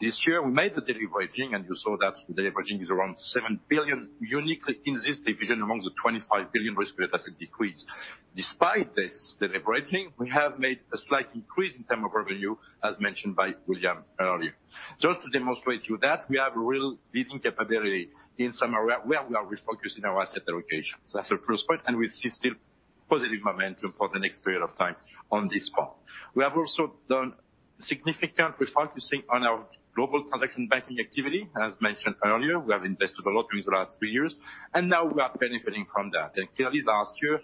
This year, we made the deleveraging, and you saw that the deleveraging is around 7 billion uniquely in this division among the 25 billion risk-weighted assets decreased. Despite this deleveraging, we have made a slight increase in term of revenue, as mentioned by William earlier. Just to demonstrate to you that we have real leading capability in some area where we are refocusing our asset allocation. That's the first point, and we see still positive momentum for the next period of time on this front. We have also done significant, focusing on our global transaction banking activity. As mentioned earlier, we have invested a lot during the last three years, and now we are benefiting from that. Clearly last year,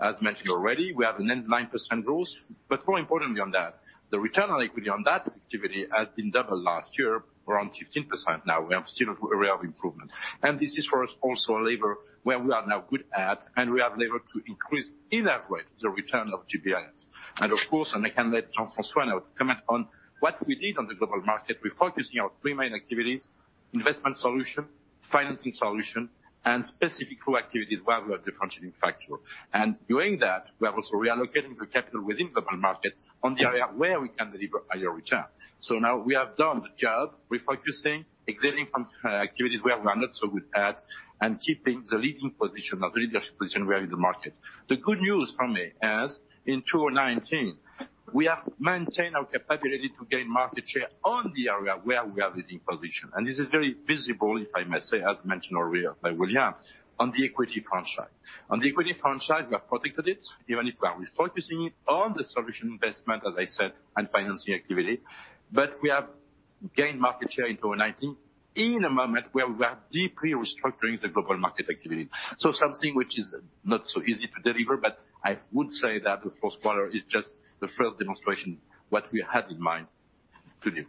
as mentioned already, we have a 9% growth, but more importantly on that, the return on equity on that activity has been double last year, around 15%. We have still area of improvement. This is for us, also a lever where we are now good at, and we have lever to increase in that way, the return of GBIS. Of course, I can let Jean-François now comment on what we did on the global market. We're focusing on three main activities, investment solution, financing solution, and specific flow activities where we are differentiating factor. Doing that, we are also reallocating the capital within Global Markets on the area where we can deliver higher return. Now we have done the job. We're focusing, exiting from activities where we are not so good at, and keeping the leading position or the leadership position where in the market. The good news for me, as in 2019, we have maintained our capability to gain market share on the area where we are leading position. This is very visible, if I may say, as mentioned earlier by William, on the equity franchise. On the equity franchise, we have protected it, even if we are refocusing it on the solution investment, as I said, and financing activity. We have gained market share in 2019 in a moment where we are deeply restructuring the global market activity. Something which is not so easy to deliver, but I would say that the fourth quarter is just the first demonstration what we had in mind to do.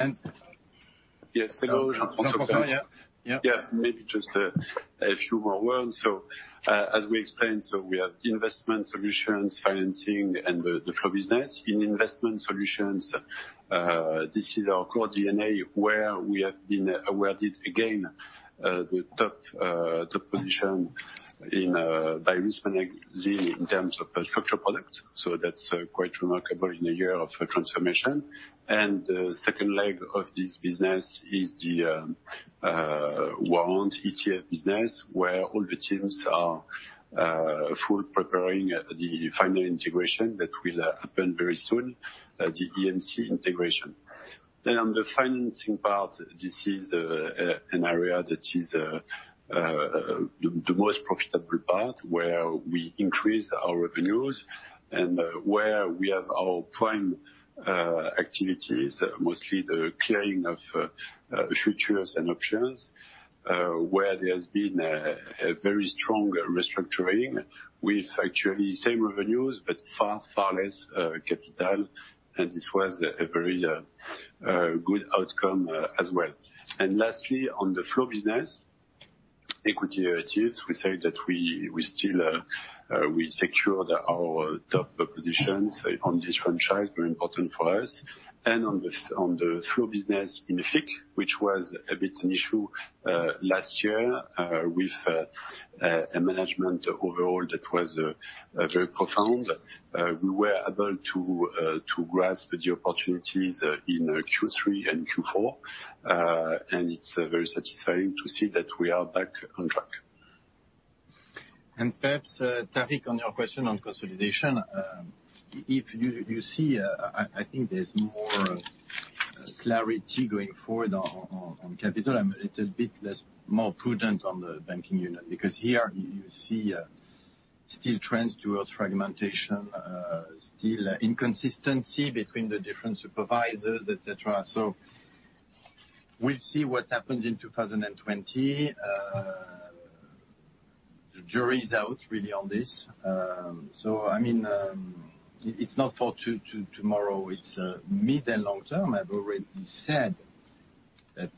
And- Yes. Hello, Jean-François. Jean-François, yeah. Maybe just a few more words. As we explained, we have investment solutions, financing, and the flow business. In investment solutions, this is our core DNA where we have been awarded again, the top position by Risk Magazine in terms of structured product. That's quite remarkable in a year of transformation. The second leg of this business is the warrant ETF business, where all the teams are full preparing the final integration that will happen very soon, the EMC integration. On the financing part, this is an area that is the most profitable part, where we increase our revenues and where we have our prime activities, mostly the clearing of futures and options, where there has been a very strong restructuring with actually same revenues, but far less capital, this was a very good outcome as well. Lastly, on the flow business, equity derivatives, we say that we still secured our top positions on this franchise, very important for us. On the flow business in the FIC, which was a bit an issue last year with a management overall that was very profound, we were able to grasp the opportunities in Q3 and Q4. It's very satisfying to see that we are back on track. Perhaps, Tarik, on your question on consolidation, I think there's more clarity going forward on capital. I'm a little bit more prudent on the banking unit, because here you see still trends towards fragmentation, still inconsistency between the different supervisors, et cetera. We'll see what happens in 2020. The jury's out really on this. It's not for tomorrow, it's mid and long term. I've already said that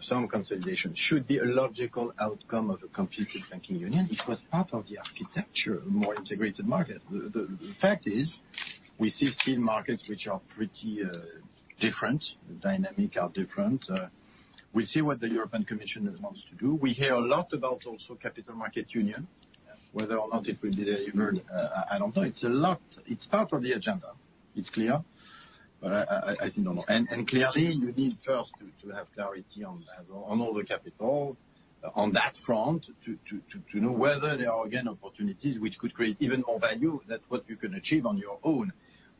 some consolidation should be a logical outcome of a completed banking union. It was part of the architecture, a more integrated market. The fact is, we see still markets which are pretty different, dynamic are different. We'll see what the European Commission wants to do. We hear a lot about also Capital Markets Union. Whether or not it will deliver, I don't know. It's a lot. It's part of the agenda. It's clear. I think no more. Clearly, you need first to have clarity on all the capital on that front to know whether there are, again, opportunities which could create even more value that what you can achieve on your own.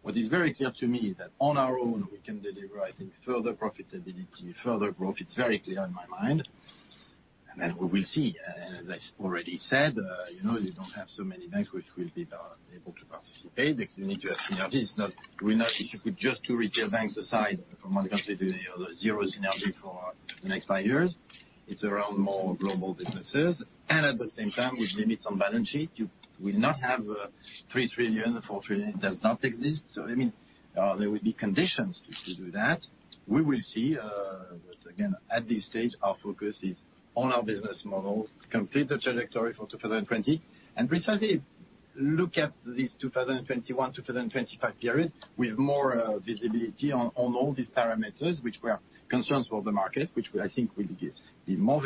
What is very clear to me is that on our own, we can deliver, I think, further profitability, further growth. It's very clear in my mind. Then we will see. As I already said, you don't have so many banks which will be able to participate. You need to have synergy. If you put just two retail banks aside from one country to the other, zero synergy for the next five years. It's around more global businesses. At the same time, with limits on balance sheet, you will not have 3 trillion or 4 trillion. It does not exist. There will be conditions to do that. We will see. Again, at this stage, our focus is on our business model, complete the trajectory for 2020, and precisely look at this 2021, 2025 period with more visibility on all these parameters, which were concerns for the market, which I think will be more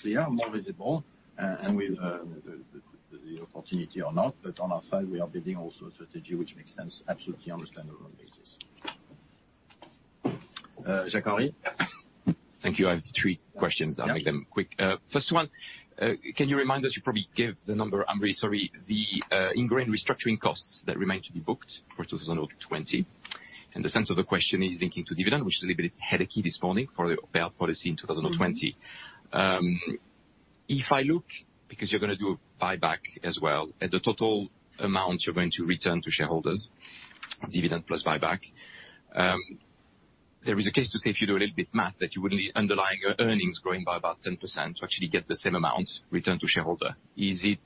clear, more visible, and with the opportunity or not. On our side, we are building also a strategy which makes sense absolutely on a standalone basis. Jacques-Henri? Thank you. I have three questions. Yeah. I'll make them quick. First one, can you remind us, you probably gave the number, I'm very sorry, the ingrained restructuring costs that remain to be booked for 2020? The sense of the question is linking to dividend, which is a little bit headachey this morning for the payout policy in 2020. If I look, because you're going to do a buyback as well, at the total amount you're going to return to shareholders, dividend plus buyback, there is a case to say, if you do a little bit math, that you would need underlying earnings growing by about 10% to actually get the same amount returned to shareholder. Is it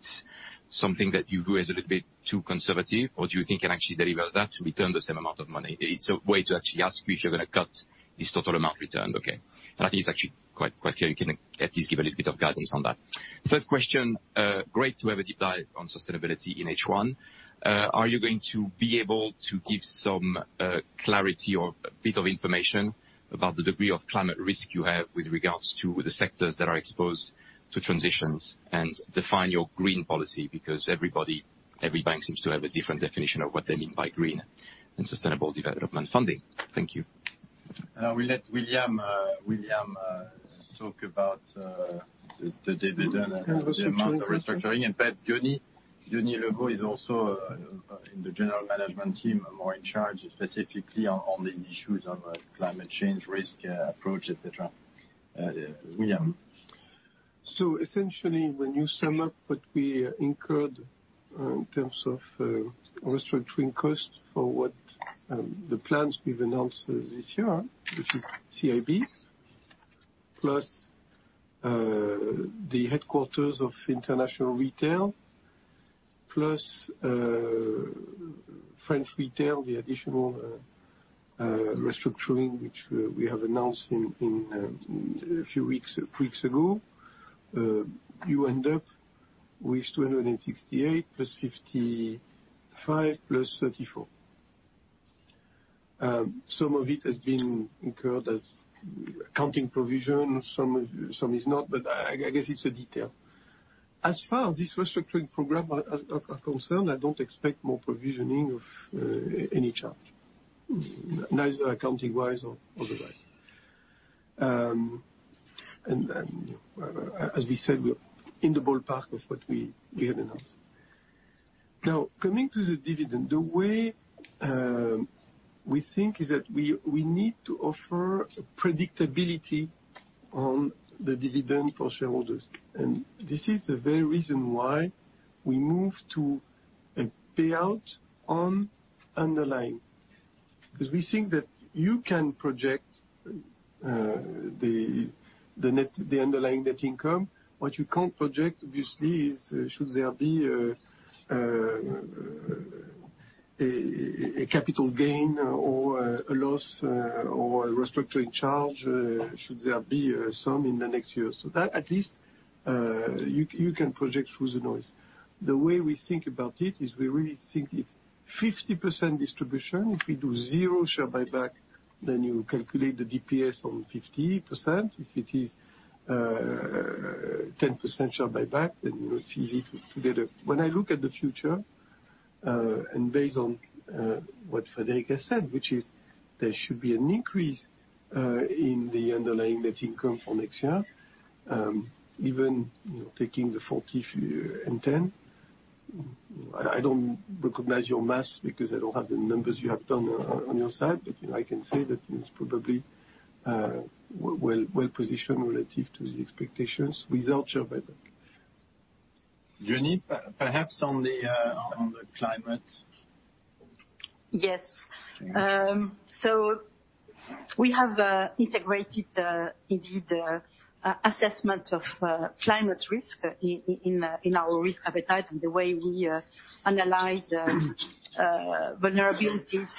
something that you view as a little bit too conservative, or do you think you can actually deliver that to return the same amount of money? It's a way to actually ask if you're going to cut this total amount returned, okay. I think it's actually quite clear you can at least give a little bit of guidance on that. Third question, great to have a deep dive on sustainability in H1. Are you going to be able to give some clarity or a bit of information about the degree of climate risk you have with regards to the sectors that are exposed to transitions and define your green policy? Every bank seems to have a different definition of what they mean by green and sustainable development funding. Thank you. I will let William talk about the dividend and the amount of restructuring. Perhaps Diony. Diony Lebot is also in the general management team, more in charge specifically on the issues of climate change, risk approach, et cetera. William. Essentially, when you sum up what we incurred in terms of restructuring cost for what the plans we've announced this year, which is CIB, plus the headquarters of international retail, plus French retail, the additional restructuring which we have announced a few weeks ago, you end up with 268 plus 55 plus 34. Some of it has been incurred as accounting provision, some is not, but I guess it's a detail. As far as this restructuring program are concerned, I don't expect more provisioning of any charge, neither accounting-wise or otherwise. As we said, we're in the ballpark of what we have announced. Coming to the dividend, the way we think is that we need to offer predictability on the dividend for shareholders. This is the very reason why we move to a payout on underlying. We think that you can project the underlying net income. What you can't project, obviously, is should there be a capital gain or a loss or a restructuring charge, should there be some in the next year. That at least, you can project through the noise. The way we think about it is we really think it's 50% distribution. If we do 0 share buyback, you calculate the DPS on 50%. If it is 10% share buyback, it's easy to get it. When I look at the future, based on what Frédéric has said, which is there should be an increase in the underlying net income for next year, even taking the 40 and 10, I don't recognize your math because I don't have the numbers you have done on your side, but I can say that it's probably well-positioned relative to the expectations without share buyback. Diony, perhaps on the climate. Yes. We have integrated, indeed, assessment of climate risk in our risk appetite and the way we analyze vulnerabilities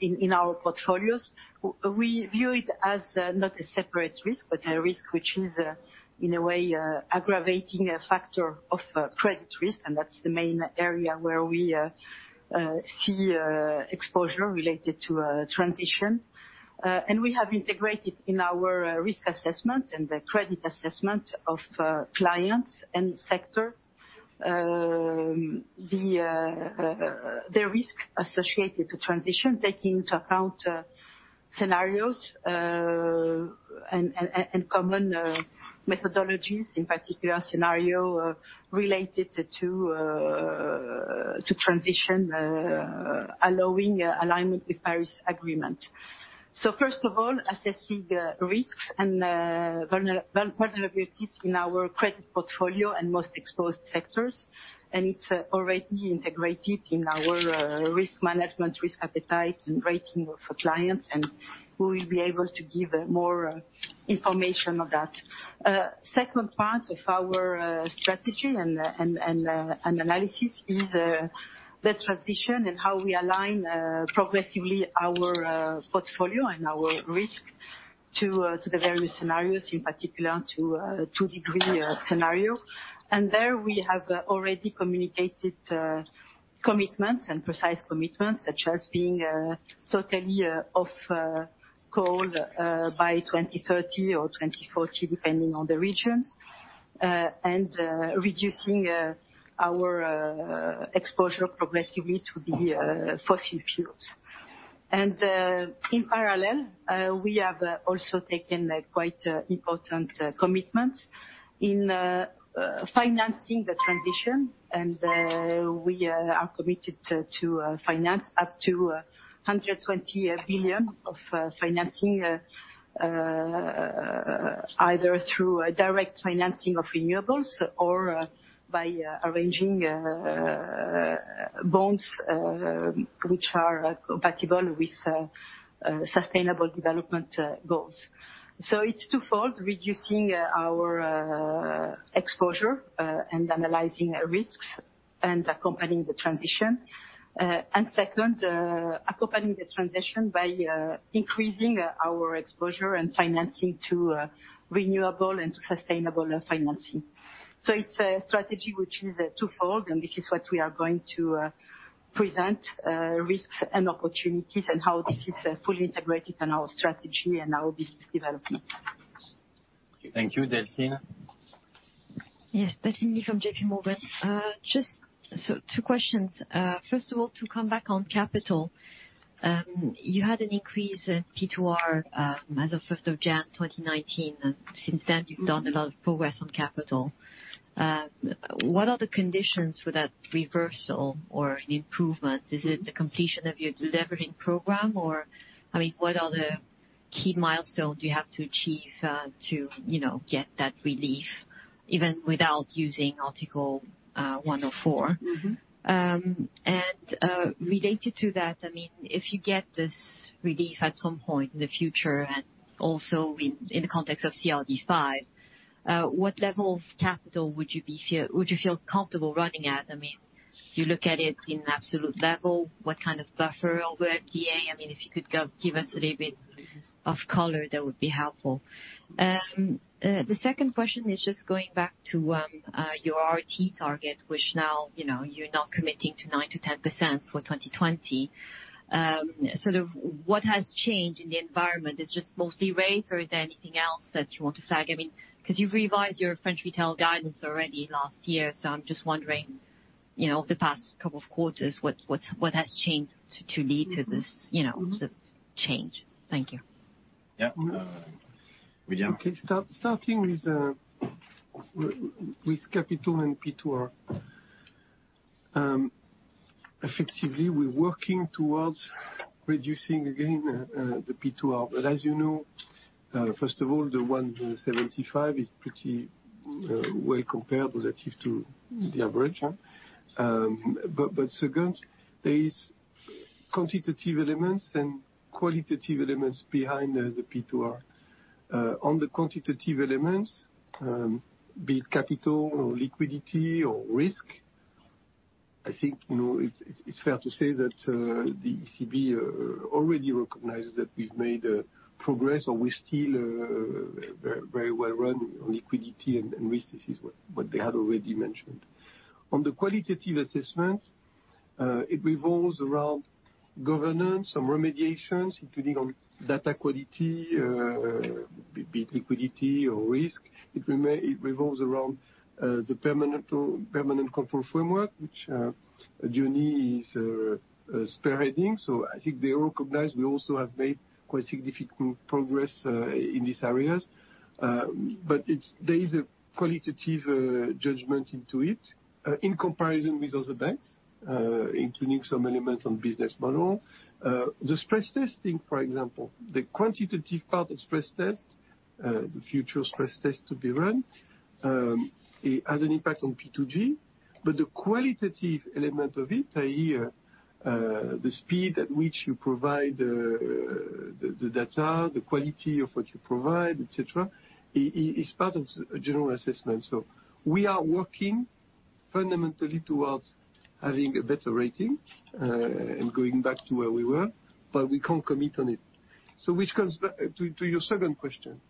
in our portfolios. We view it as not a separate risk, but a risk which is, in a way, aggravating a factor of credit risk, and that's the main area where we see exposure related to a transition. We have integrated in our risk assessment and the credit assessment of clients and sectors, the risk associated to transition, taking into account scenarios, and common methodologies, in particular scenario related to transition, allowing alignment with Paris Agreement. First of all, assessing risks and vulnerabilities in our credit portfolio and most exposed sectors, and it's already integrated in our risk management, risk appetite, and rating of clients, and we will be able to give more information on that. Second part of our strategy and analysis is the transition and how we align progressively our portfolio and our risk to the various scenarios, in particular to a two-degree scenario. There we have already communicated commitments and precise commitments, such as being totally off coal by 2030 or 2040, depending on the regions, and reducing our exposure progressively to the fossil fuels. In parallel, we have also taken a quite important commitment in financing the transition, and we are committed to finance up to 120 billion of financing either through a direct financing of renewables or by arranging bonds which are compatible with sustainable development goals. It's twofold, reducing our exposure and analyzing risks and accompanying the transition. Second, accompanying the transition by increasing our exposure and financing to renewable and sustainable financing. It's a strategy which is twofold, and this is what we are going to present, risks and opportunities and how this is fully integrated in our strategy and our business development. Thank you. Delphine? Yes, Delphine from JP Morgan. Just two questions. First of all, to come back on capital. You had an increase in P2R, as of first of January, 2019, and since then you've done a lot of progress on capital. What are the conditions for that reversal or improvement? Is it the completion of your delevering program, or what are the key milestones you have to achieve to get that relief even without using Article 104? Related to that, if you get this relief at some point in the future, and also in the context of CRD V, what level of capital would you feel comfortable running at? Do you look at it in an absolute level? What kind of buffer or where, PA? If you could give us a little bit of color, that would be helpful. The second question is just going back to your ROTE target, which now, you're not committing to 9%-10% for 2020. What has changed in the environment? It's just mostly rates or is there anything else that you want to flag? You've revised your French retail guidance already last year, so I'm just wondering, the past couple of quarters, what has changed to lead to this sort of change? Thank you. Yeah. William? Okay. Starting with capital and P2R. Effectively, we're working towards reducing again, the P2R. As you know, first of all, the 1.75 is pretty well compared relative to the average, huh. Second, there is quantitative elements and qualitative elements behind the P2R. On the quantitative elements, be it capital or liquidity or risk, I think, it's fair to say that the ECB already recognizes that we've made progress, or we're still very well run on liquidity and risk. This is what they had already mentioned. On the qualitative assessment, it revolves around governance, some remediations, including on data quality, be it liquidity or risk. It revolves around the permanent control framework, which Diony is spearheading. I think they recognize we also have made quite significant progress in these areas. There is a qualitative judgment into it, in comparison with other banks, including some elements on business model. The stress testing, for example, the quantitative part of stress test, the future stress test to be run, it has an impact on P2G. The qualitative element of it, i.e., the speed at which you provide the data, the quality of what you provide, et cetera, is part of general assessment. We are working fundamentally towards having a better rating, and going back to where we were, but we can't commit on it. Which comes back to your second question.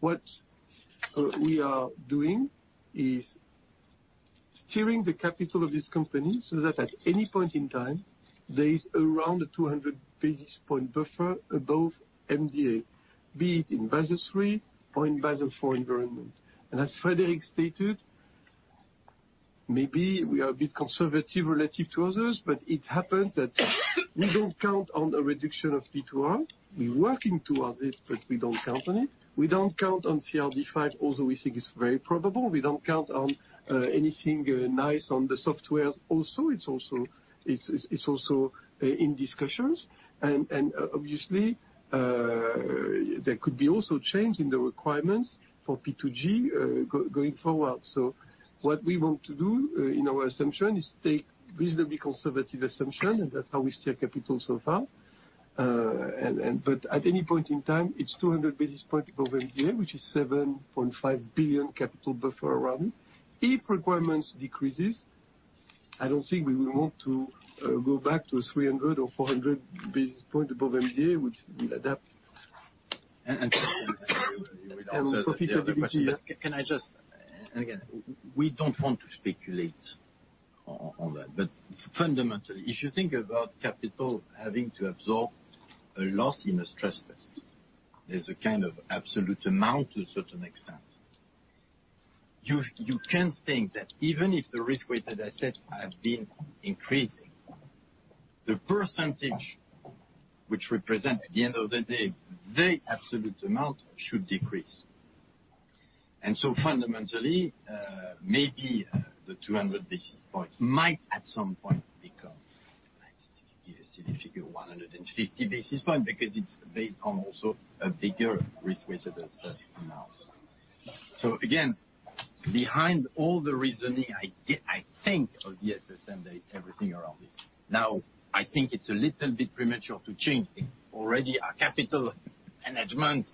What we are doing is steering the capital of this company so that at any point in time, there is around a 200 basis point buffer above MDA, be it in Basel III or in Basel IV environment. As Frédéric stated, maybe we are a bit conservative relative to others, but it happens that we don't count on a reduction of P2R. We're working towards it, but we don't count on it. We don't count on CRD V, although we think it's very probable. We don't count on anything nice on the software. It's also in discussions. Obviously, there could be also change in the requirements for P2G, going forward. What we want to do in our assumption is take reasonably conservative assumption, and that's how we steer capital so far. At any point in time, it's 200 basis points above MDA, which is 7.5 billion capital buffer around. If requirements decreases, I don't think we will want to go back to 300 or 400 basis points above MDA, which we'll adapt. You will Profitability. Can I just. Again, we don't want to speculate on that. Fundamentally, if you think about capital having to absorb a loss in a stress test, there's a kind of absolute amount to a certain extent. You can think that even if the risk-weighted assets have been increasing, the percentage which represent at the end of the day, the absolute amount should decrease. Fundamentally, maybe the 200 basis points might, at some point, become, give a silly figure, 150 basis points, because it's based on also a bigger risk-weighted asset amount. Again, behind all the reasoning, I think of the SSM, there is everything around this. I think it's a little bit premature to change already our capital management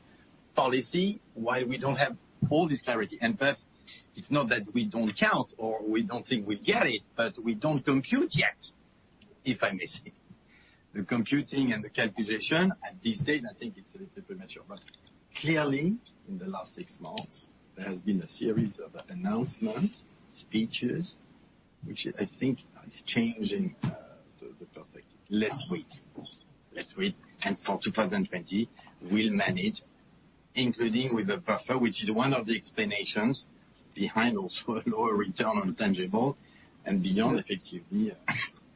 policy while we don't have all this clarity. Perhaps it's not that we don't count or we don't think we get it, but we don't compute yet, if I may say. The computing and the calculation at this stage, I think it's a little premature. Clearly, in the last six months, there has been a series of announcements, speeches, which I think is changing the perspective. Let's wait. For 2020, we'll manage, including with the buffer, which is one of the explanations behind also a lower return on tangible and beyond, effectively.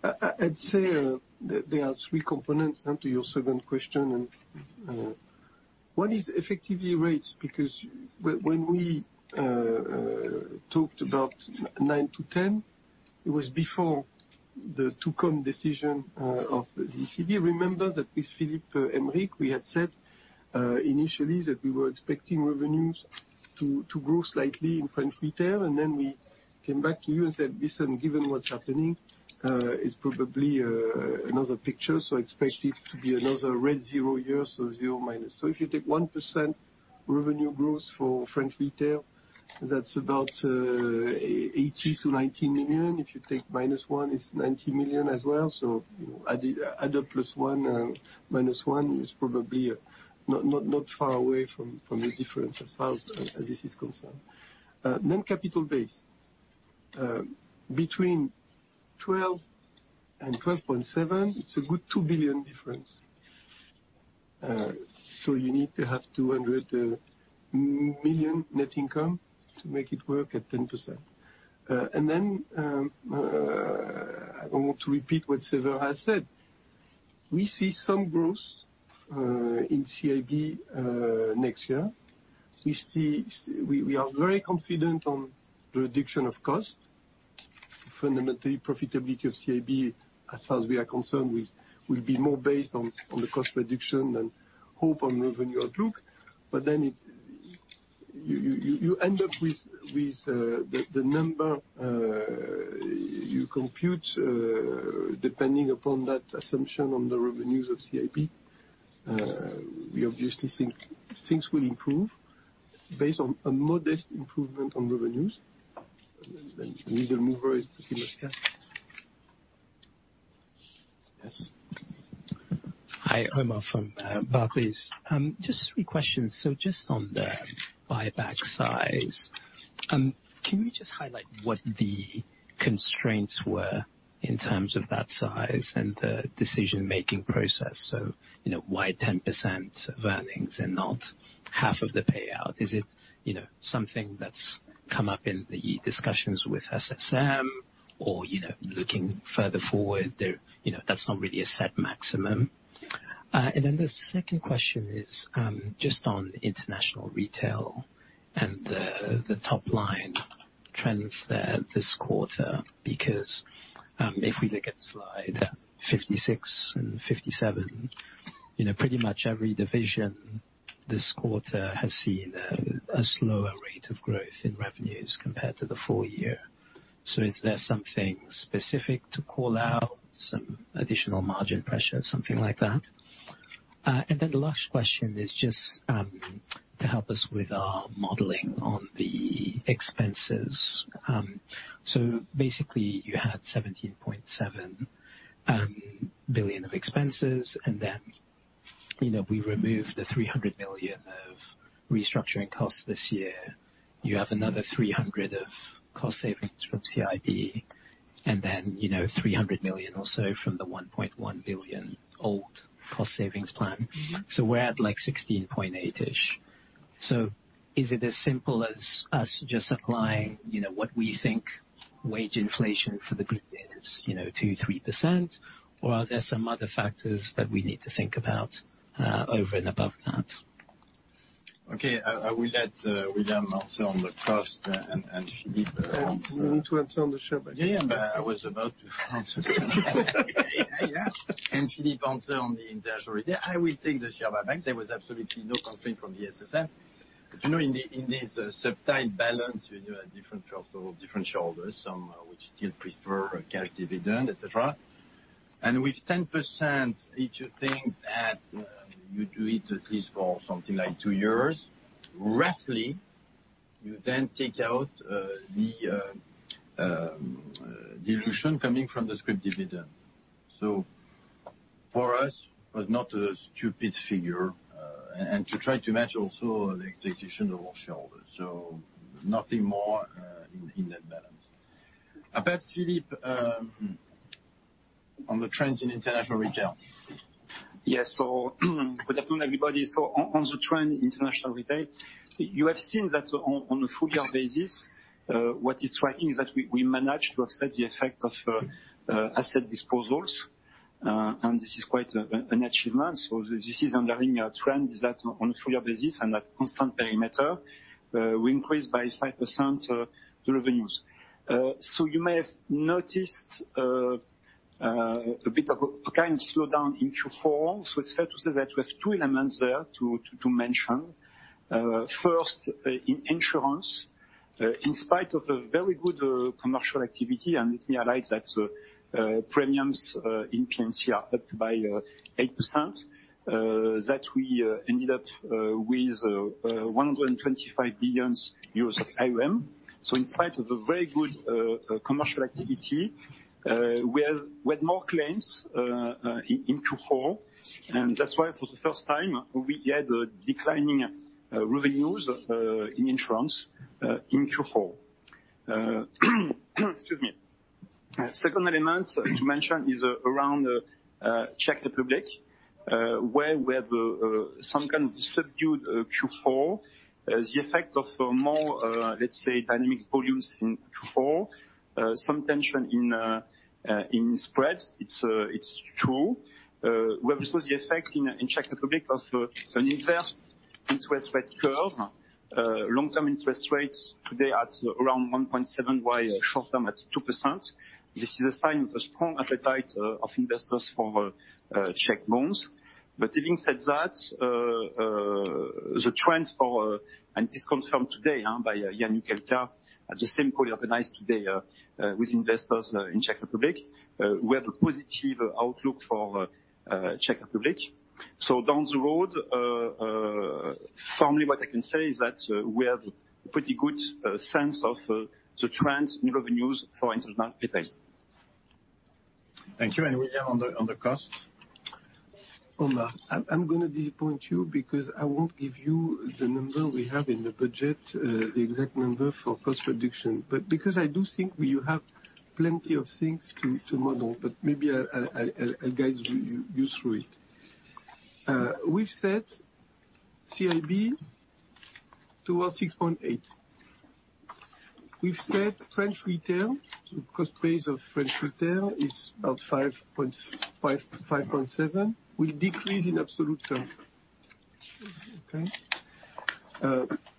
I'd say there are three components to your second question. One is effectively rates, because when we talked about nine to 10, it was before the to-come decision of the ECB. Remember that with Philippe Aymerich, we had said initially that we were expecting revenues to grow slightly in French retail, and then we came back to you and said, "Listen, given what's happening, it's probably another picture, so expect it to be another red zero year, so zero minus." If you take 1% revenue growth for French retail, that's about 80 million to 90 million. If you take minus one, it's 90 million as well. Add a plus one, minus one, it's probably not far away from the difference as far as this is concerned. Capital base. Between 12 and 12.7, it's a good 2 billion difference. You need to have 200 million net income to make it work at 10%. I want to repeat what Séverin has said. We see some growth in CIB next year. We are very confident on the reduction of cost. Fundamentally, profitability of CIB, as far as we are concerned, will be more based on the cost reduction than hope on revenue outlook. You end up with the number you compute, depending upon that assumption on the revenues of CIB. We obviously think things will improve based on a modest improvement on revenues. The middle mover is pretty much there. Yes. Hi, Omar from Barclays. Just three questions. Just on the buyback size, can you just highlight what the constraints were in terms of that size and the decision-making process? Why 10% earnings and not half of the payout? Is it something that's come up in the discussions with SSM, or looking further forward, that's not really a set maximum. The second question is just on international retail and the top-line trends there this quarter. If we look at slide 56 and 57, pretty much every division this quarter has seen a slower rate of growth in revenues compared to the full year. Is there something specific to call out, some additional margin pressure, something like that? The last question is just to help us with our modeling on the expenses. Basically you had 17.7 billion of expenses, and then we remove the 300 million of restructuring costs this year. You have another 300 million of cost savings from CIB, and then 300 million or so from the 1.1 billion old cost savings plan. We're at like 16.8 billion-ish. Is it as simple as just applying what we think wage inflation for the group is, 2%-3%? Are there some other factors that we need to think about over and above that? Okay. I will let William answer on the cost and Philippe answer- We need to answer on the share buyback. Yeah, I was about to. Philippe answer on the international retail. I will take the share buyback. There was absolutely no constraint from the SSM. In this subtle balance, you have different profiles, different shareholders, some which still prefer a cash dividend, et cetera. With 10%, if you think that you do it at least for something like two years, roughly, you then take out the dilution coming from the script dividend. For us, was not a stupid figure. To try to match also the expectation of our shareholders. Nothing more in that balance. About Philippe, on the trends in international retail. Yes. Good afternoon, everybody. On the trend international retail, you have seen that on a full year basis, what is striking is that we managed to offset the effect of asset disposals. This is quite an achievement. This is underlying our trend is that on a full year basis and at constant perimeter, we increased by 5% the revenues. You may have noticed a kind of slowdown in Q4. It's fair to say that we have two elements there to mention. First, in insurance, in spite of a very good commercial activity, and let me highlight that premiums in P&C are up by 8%, that we ended up with 125 billion euros of AUM. In spite of a very good commercial activity, we had more claims in Q4. That's why for the first time, we had declining revenues in insurance in Q4. Excuse me. Second element to mention is around Czech Republic, where we have some kind of subdued Q4. The effect of more, let's say, dynamic volumes in Q4, some tension in spreads. It's true. We have also the effect in Czech Republic of an inverse interest rate curve. Long-term interest rates today at around 1.7%, while short-term at 2%. This is a sign of a strong appetite of investors for Czech bonds. Having said that, the trend for, and it is confirmed today by Jan Mikulka, at the same call organized today with investors in Czech Republic. We have a positive outlook for Czech Republic. Down the road, firmly what I can say is that we have a pretty good sense of the trends in revenues for international retail. Thank you. William, on the cost. Omar, I'm going to disappoint you because I won't give you the number we have in the budget, the exact number for cost reduction. Because I do think we will have plenty of things to model, but maybe I'll guide you through it. We've said CIB towards 6.8. We've said French Retail, the cost base of French Retail is about 5.7, will decrease in absolute terms. Okay?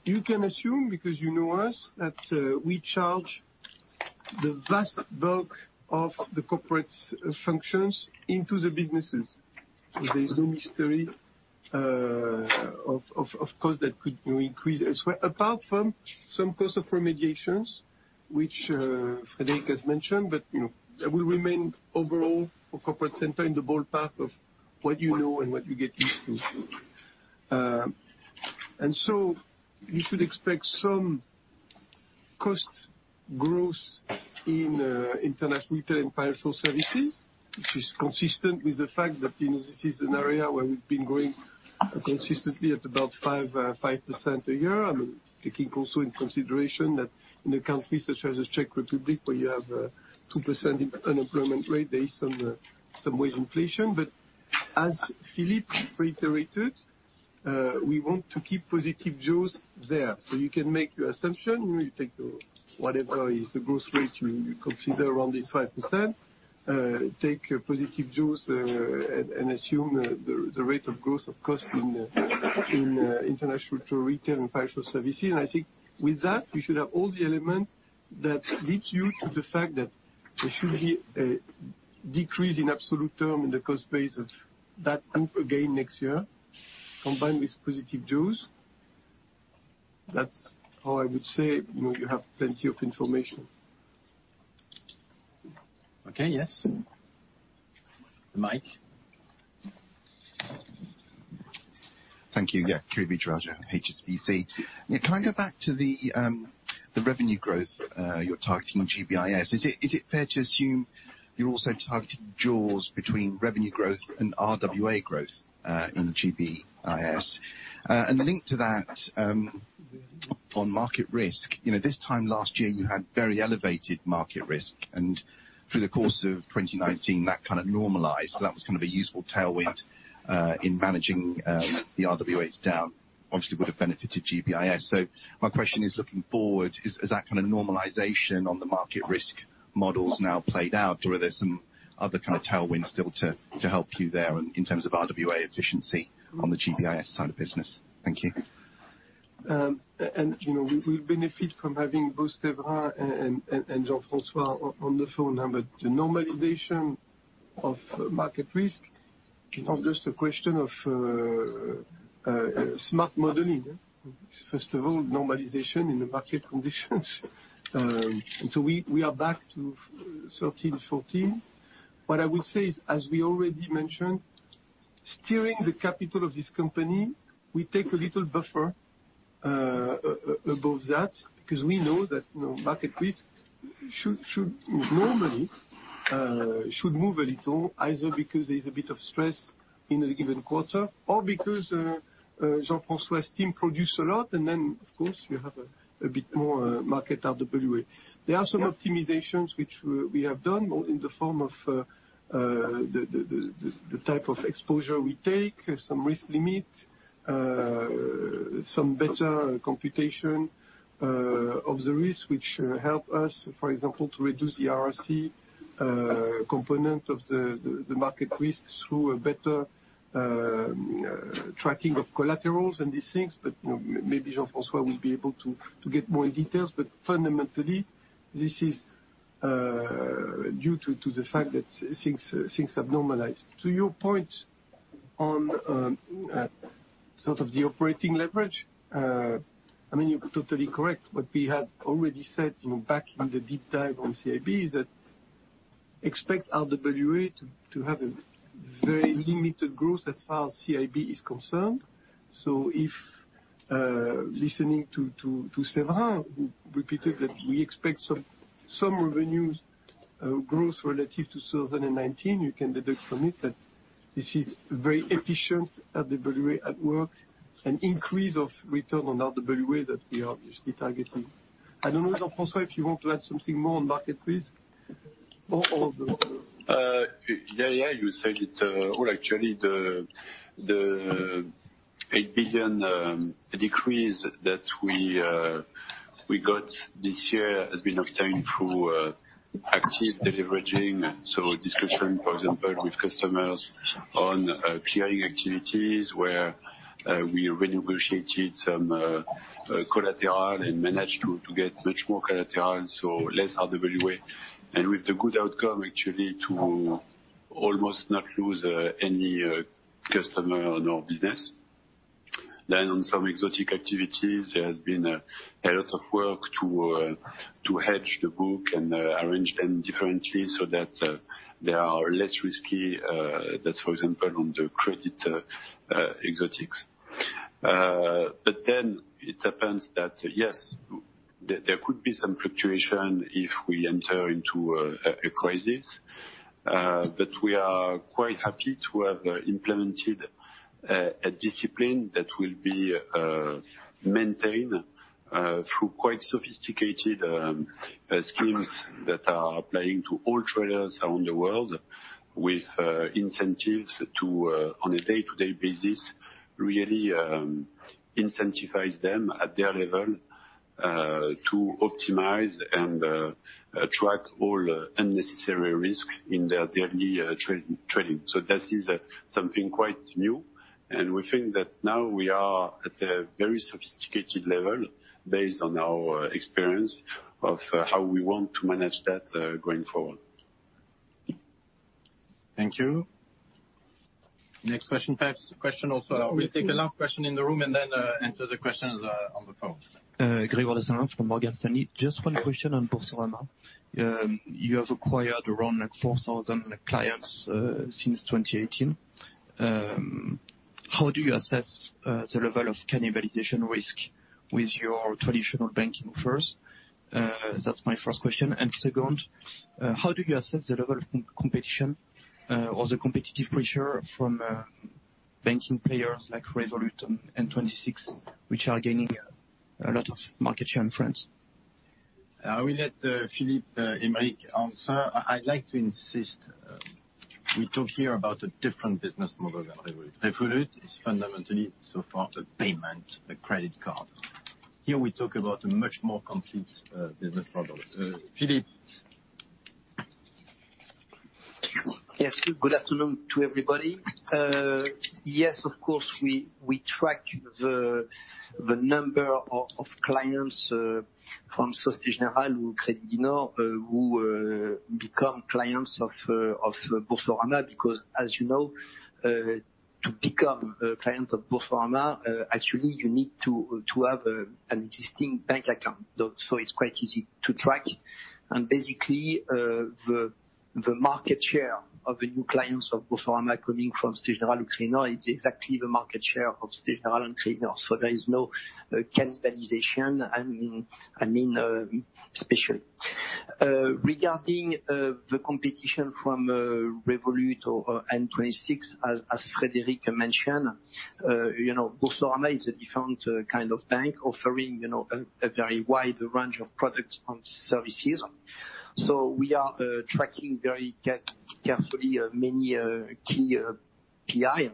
You can assume, because you know us, that we charge the vast bulk of the corporate functions into the businesses. There's no mystery of cost that could increase as well. Apart from some cost of remediations, which Frédéric has mentioned, but that will remain overall for corporate center in the ballpark of what you know and what you get used to. You should expect some cost growth in International Retail and Financial Services, which is consistent with the fact that this is an area where we've been growing consistently at about 5% a year. I mean, taking also into consideration that in a country such as Czech Republic, where you have 2% unemployment rate, there is some wage inflation. As Philippe reiterated, we want to keep positive jaws there. You can make your assumption. You take whatever is the growth rate you consider around this 5%, take positive jaws and assume the rate of growth of cost in International Retail and Financial Services. I think with that, you should have all the elements that leads you to the fact that there should be a decrease in absolute term in the cost base of that group again next year, combined with positive jaws. That's how I would say you have plenty of information. Okay. Yes. Mike. Thank you. Yeah. Kiri Vijayarajah, HSBC. Can I go back to the revenue growth you're targeting on GBIS? Is it fair to assume you're also targeting jaws between revenue growth and RWA growth, in GBIS? Linked to that, on market risk. This time last year, you had very elevated market risk, and through the course of 2019, that kind of normalized. That was kind of a useful tailwind in managing the RWAs down, obviously would have benefited GBIS. My question is, looking forward, is that kind of normalization on the market risk models now played out? Are there some other kind of tailwinds still to help you there in terms of RWA efficiency on the GBIS side of business? Thank you. We benefit from having both Séverin and Jean-François on the phone. The normalization of market risk is not just a question of smart modeling. It's first of all, normalization in the market conditions. We are back to 2013, 2014. What I will say is, as we already mentioned, steering the capital of this company, we take a little buffer above that, because we know that market risk normally should move a little, either because there's a bit of stress in a given quarter or because Jean-François's team produce a lot, and then, of course, you have a bit more market RWA. There are some optimizations which we have done, in the form of the type of exposure we take, some risk limit, some better computation of the risk, which help us, for example, to reduce the IRC component of the market risk through a better tracking of collaterals and these things. Maybe Jean-François will be able to get more in details. Fundamentally, this is due to the fact that things have normalized. To your point on the operating leverage, you're totally correct. What we had already said back in the deep dive on CIB is that expect RWA to have a very limited growth as far as CIB is concerned. If listening to Séverin, who repeated that we expect some revenue growth relative to 2019, you can deduct from it that this is very efficient RWA at work, an increase of return on RWA that we are obviously targeting. I don't know, Jean-François, if you want to add something more on market risk or? Yeah, you said it all, actually. The 8 billion decrease that we got this year has been obtained through active deleveraging. A discussion, for example, with customers on clearing activities where we renegotiated some collateral and managed to get much more collateral, so less RWA, and with the good outcome, actually, to almost not lose any customer or business. On some exotic activities, there has been a lot of work to hedge the book and arrange them differently so that they are less risky. That's, for example, on the credit exotics. It happens that, yes, there could be some fluctuation if we enter into a crisis. We are quite happy to have implemented a discipline that will be maintained through quite sophisticated schemes that are applying to all traders around the world with incentives on a day-to-day basis, really incentivize them at their level to optimize and track all unnecessary risk in their daily trading. This is something quite new, and we think that now we are at a very sophisticated level based on our experience of how we want to manage that going forward. Thank you. Next question. We'll take the last question in the room and then enter the questions on the phone. Gregory Wodassilwa from Morgan Stanley. Just one question on Boursorama. You have acquired around 4,000 clients since 2018. How do you assess the level of cannibalization risk with your traditional banking offers? That's my first question. Second, how do you assess the level of competition or the competitive pressure from banking players like Revolut and N26, which are gaining a lot of market share in France? I will let Philippe Heim answer. I'd like to insist, we talk here about a different business model than Revolut. Revolut is fundamentally, so far, a payment, a credit card. Here we talk about a much more complete business model. Philippe? Yes. Good afternoon to everybody. Yes, of course, we track the number of clients from Société Générale or Crédit du Nord who become clients of Boursorama, because, as you know, to become a client of Boursorama, actually, you need to have an existing bank account. It's quite easy to track. Basically, the market share of the new clients of Boursorama coming from Société Générale or Crédit du Nord, it's exactly the market share of Société Générale and Crédit du Nord. There is no cannibalization, especially. Regarding the competition from Revolut or N26, as Frédéric mentioned, Boursorama is a different kind of bank offering a very wide range of products and services. We are tracking very carefully many key KPI,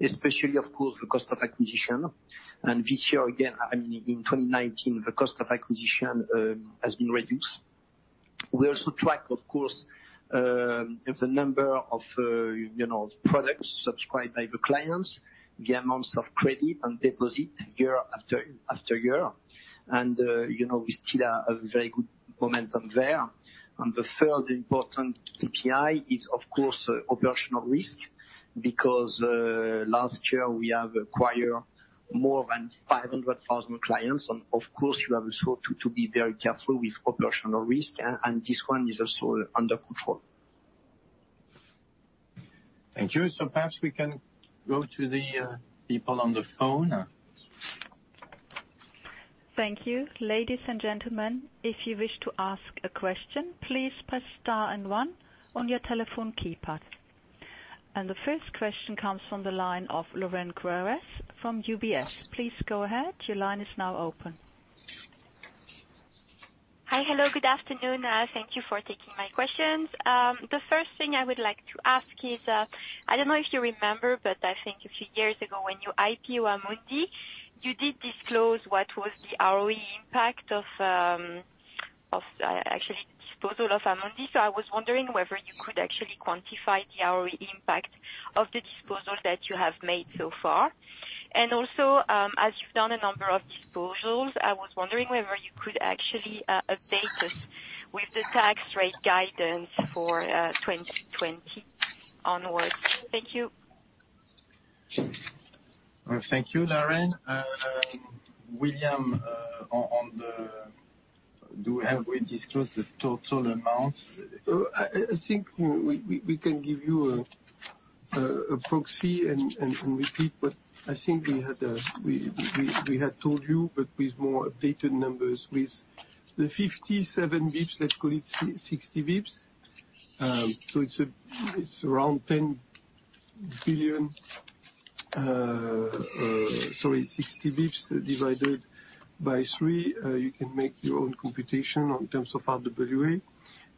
especially, of course, the cost of acquisition. This year, again, in 2019, the cost of acquisition has been reduced. We also track, of course, the number of products subscribed by the clients, the amounts of credit and deposit year after year. We still have very good momentum there. The third important KPI is, of course, operational risk, because last year we have acquired more than 500,000 clients, and of course, you have also to be very careful with operational risk, and this one is also under control. Thank you. Perhaps we can go to the people on the phone. Thank you. Ladies and gentlemen, if you wish to ask a question, please press star and one on your telephone keypad. The first question comes from the line of Lorraine Quoirez from UBS. Please go ahead. Your line is now open. Hi. Hello, good afternoon. Thank you for taking my questions. The first thing I would like to ask is, I don't know if you remember, I think a few years ago when you IPO Amundi, you did disclose what was the ROE impact of, actually disposal of Amundi. I was wondering whether you could actually quantify the ROE impact of the disposals that you have made so far. Also, as you've done a number of disposals, I was wondering whether you could actually update us with the tax rate guidance for 2020 onwards. Thank you. Thank you, Lorraine. William, do we have disclosed the total amount? I think we can give you a proxy and repeat what I think we had told you, but with more updated numbers. With the 57 basis points, let's call it 60 basis points. It's around EUR 10 billion, sorry, 60 basis points divided by three. You can make your own computation on terms of RWA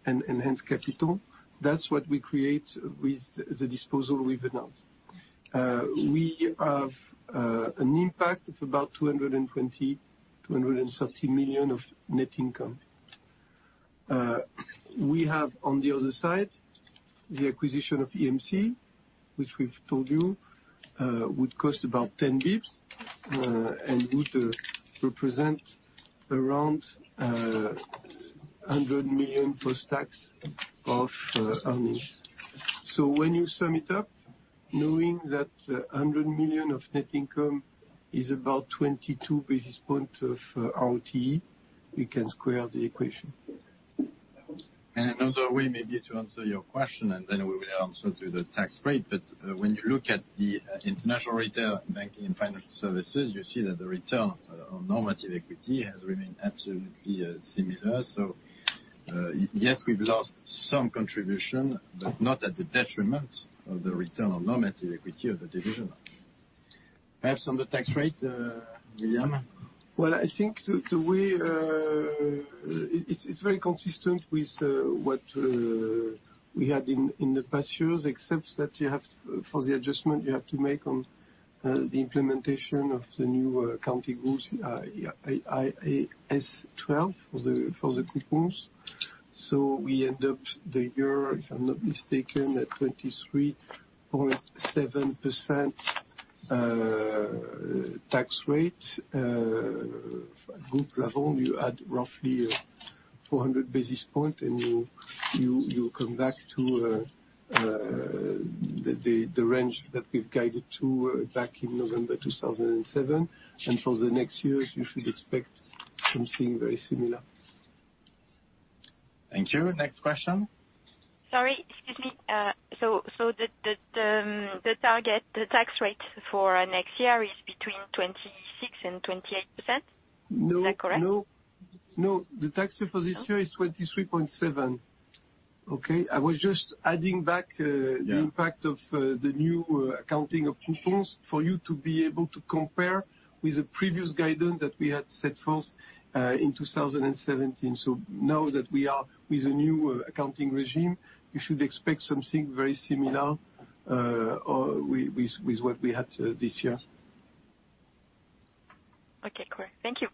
and enhanced capital. That's what we create with the disposal we've announced. We have an impact of about 220 million-230 million of net income. We have, on the other side, the acquisition of EMC, which we've told you would cost about 10 basis points, and would represent around 100 million post-tax of earnings. When you sum it up, knowing that 100 million of net income is about 22 basis points of ROTE, you can square the equation. Another way maybe to answer your question, and then we will answer to the tax rate. When you look at the international retail banking and financial services, you see that the Return on Normative Equity has remained absolutely similar. Yes, we've lost some contribution, but not at the detriment of the Return on Normative Equity of the division. Perhaps on the tax rate, William? Well, I think it's very consistent with what we had in the past years, except that for the adjustment, you have to make on the implementation of the new accounting rules IAS 12 for the coupons. We end up the year, if I'm not mistaken, at 23.7% tax rate, group level. You add roughly 400 basis points, and you come back to the range that we've guided to back in November 2007. For the next years, you should expect something very similar. Thank you. Next question? Sorry. Excuse me. The target, the tax rate for next year is between 26% and 28%? No. Is that correct? No. The tax rate for this year is 23.7%. Okay? Yeah the impact of the new accounting of coupons for you to be able to compare with the previous guidance that we had set forth in 2017. Now that we are with a new accounting regime, you should expect something very similar with what we had this year. Okay, great. Thank you.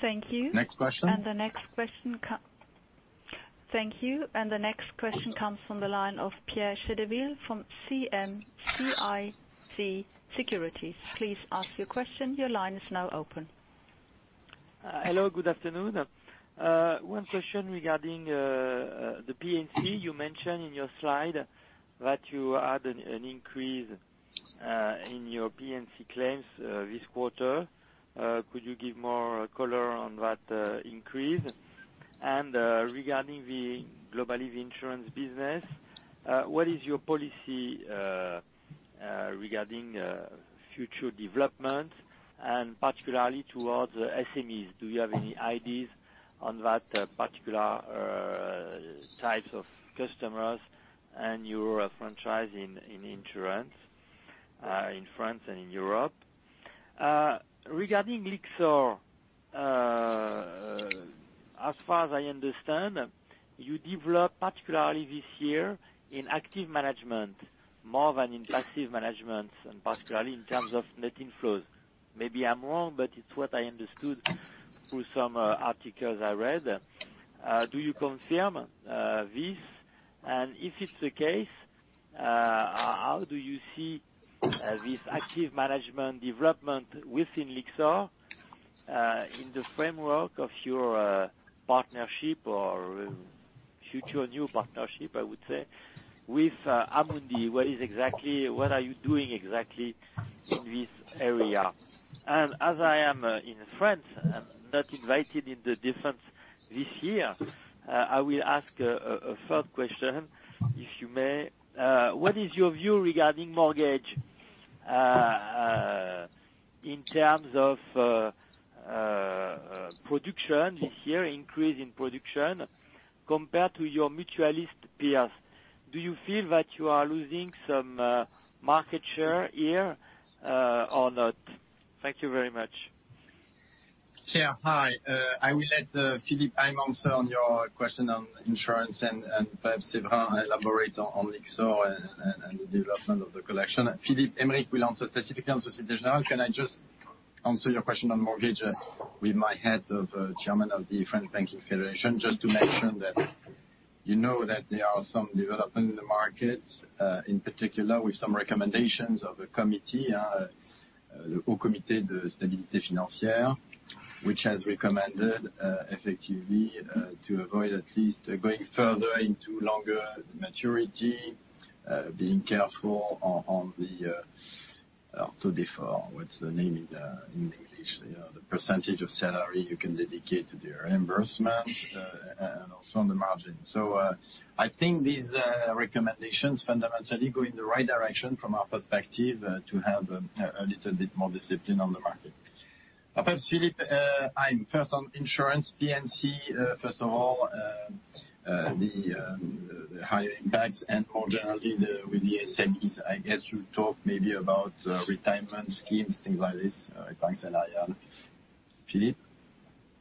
Thank you. Next question. Thank you. The next question comes from the line of Pierre Chedeville from CM-CIC Securities. Please ask your question. Your line is now open. Hello, good afternoon. One question regarding the P&C. You mentioned in your slide that you had an increase in your P&C claims this quarter. Could you give more color on that increase? Regarding globally the insurance business, what is your policy regarding future development, and particularly towards SMEs? Do you have any ideas on that particular types of customers and your franchise in insurance, in France and in Europe? Regarding Lyxor, as far as I understand, you develop particularly this year in active management more than in passive management, and particularly in terms of net inflows. Maybe I'm wrong, but it's what I understood through some articles I read. Do you confirm this? If it's the case, how do you see this active management development within Lyxor, in the framework of your partnership or future new partnership, I would say, with Amundi? What are you doing exactly in this area? As I am in France, I'm not invited in the different this year. I will ask a third question, if you may. What is your view regarding mortgage, in terms of production this year, increase in production, compared to your mutualist peers? Do you feel that you are losing some market share here or not? Thank you very much. Pierre, hi. I will let Philippe Heim answer on your question on insurance and perhaps Séverin elaborate on Lyxor and the development of the collection. Philippe Aymerich will answer specifically on Société Générale. Can I just answer your question on mortgage with my hat of chairman of the French Banking Federation, just to mention that you know that there are some development in the market, in particular with some recommendations of the committee, Haut Conseil de stabilité financière, which has recommended effectively to avoid at least going further into longer maturity, being careful on the taux de défaut, what's the name in English, the percentage of salary you can dedicate to the reimbursement and also on the margin. I think these recommendations fundamentally go in the right direction from our perspective to have a little bit more discipline on the market. Perhaps Philippe, I'm first on insurance, P&C, first of all, the high impacts and more generally with the SMEs. I guess you'll talk maybe about retirement schemes, things like this, banks. Philippe?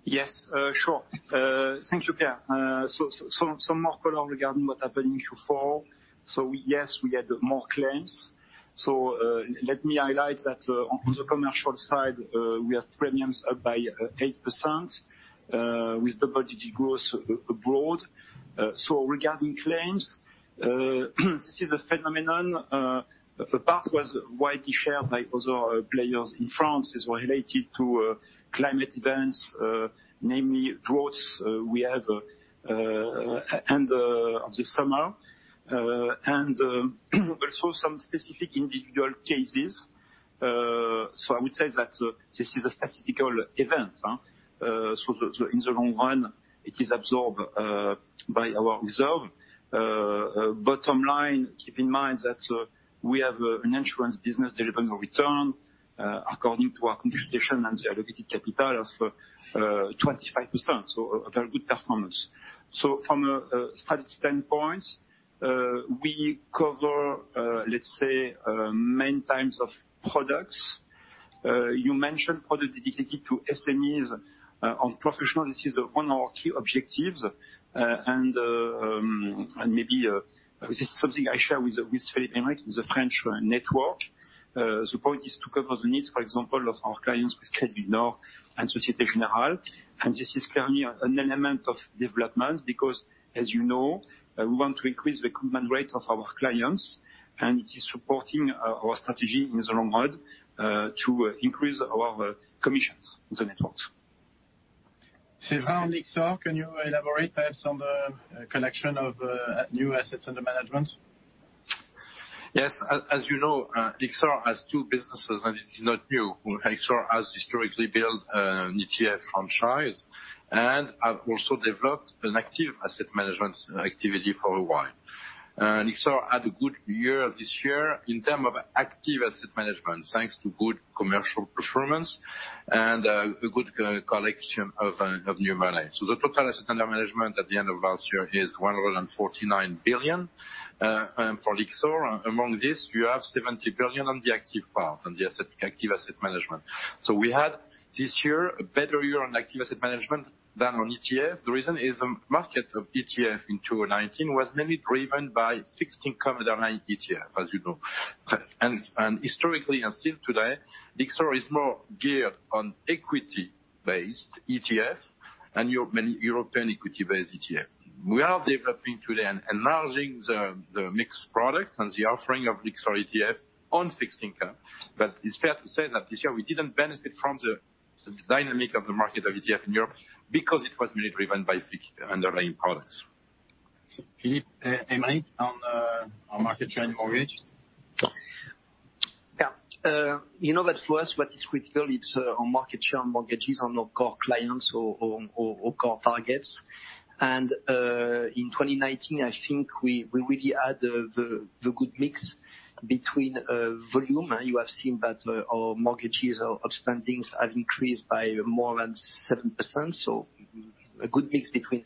Yes, sure. Thank you, Pierre. Some more color regarding what happened in Q4. Yes, we had more claims. Let me highlight that on the commercial side, we have premiums up by 8%, with the majority growth abroad. Regarding claims, this is a phenomenon, but the part was widely shared by other players in France as well, related to climate events, namely droughts we have end of this summer, and also some specific individual cases. I would say that this is a statistical event. In the long run, it is absorbed by our reserve. Bottom line, keep in mind that we have an insurance business delivering a return, according to our computation and the allocated capital of 25%, so a very good performance. From a stat standpoint, we cover, let's say, many types of products. You mentioned product dedicated to SMEs on professional. This is one of our key objectives, and maybe this is something I share with Philippe Aymerich in the French network. The point is to cover the needs, for example, of our clients with Crédit du Nord and Société Générale. This is clearly an element of development because, as you know, we want to increase the command rate of our clients, and it is supporting our strategy in the long run to increase our commissions in the network. Séverin, Lyxor, can you elaborate perhaps on the collection of new assets under management? Yes. As you know, Lyxor has two businesses, and this is not new. Lyxor has historically built an ETF franchise and have also developed an active asset management activity for a while. Lyxor had a good year this year in terms of active asset management, thanks to good commercial performance and a good collection of new money. The total asset under management at the end of last year is 149 billion for Lyxor. Among this, you have 70 billion on the active part, on the active asset management. We had this year a better year on active asset management than on ETF. The reason is market of ETF in 2019 was mainly driven by fixed income underlying ETF, as you know. Historically, and still today, Lyxor is more geared on equity-based ETF and many European equity-based ETF. We are developing today and enlarging the mixed product and the offering of Lyxor ETF on fixed income. It's fair to say that this year we didn't benefit from the dynamic of the market of ETF in Europe because it was mainly driven by fixed underlying products. Philippe, Aymerich, on market trend mortgage. You know that for us, what is critical is our market share on mortgages, on our core clients or core targets. In 2019, I think we really had the good mix between volume. You have seen that our mortgages, our upstandings have increased by more than 7%. A good mix between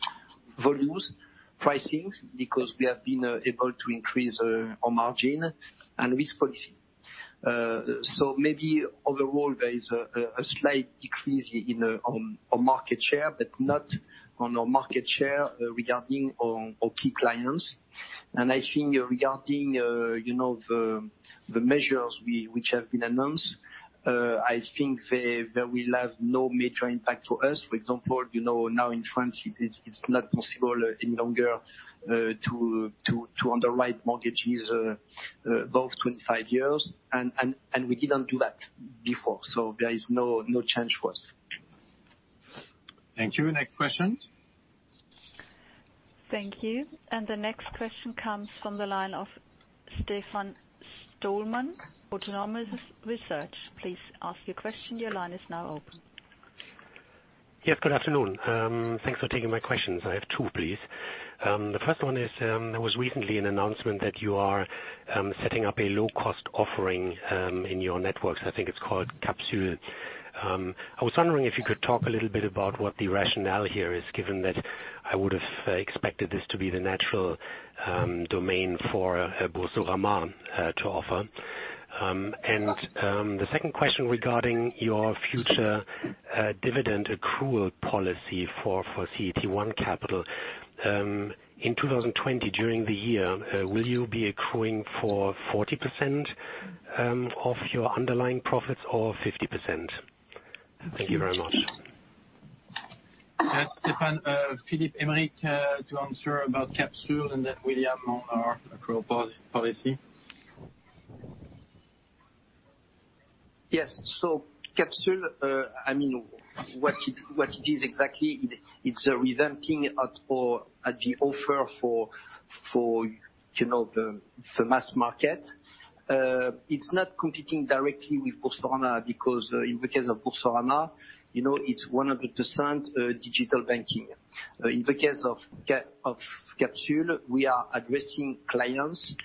volumes, pricings, because we have been able to increase our margin and risk policy. Maybe overall, there is a slight decrease in our market share, but not on our market share regarding our key clients. I think regarding the measures which have been announced, I think they will have no major impact to us. For example, now in France, it's not possible any longer to underwrite mortgages above 25 years, and we didn't do that before. There is no change for us. Thank you. Next question. Thank you. The next question comes from the line of Stefan Stalmann, Autonomous Research. Please ask your question. Your line is now open. Yes, good afternoon. Thanks for taking my questions. I have two, please. The first one is, there was recently an announcement that you are setting up a low-cost offering in your networks. I think it's called Kapsul. I was wondering if you could talk a little bit about what the rationale here is, given that I would have expected this to be the natural domain for Boursorama to offer. The second question regarding your future dividend accrual policy for CET1 capital. In 2020, during the year, will you be accruing for 40% of your underlying profits or 50%? Thank you very much. Yes, Stefan. Philippe Aymerich to answer about Kapsul, and then William on our accrual policy. Yes. Kapsul, what it is exactly, it's a revamping at the offer for the mass market. It's not competing directly with Boursorama, because in the case of Boursorama, it's 100% digital banking. In the case of Kapsul, we are addressing clients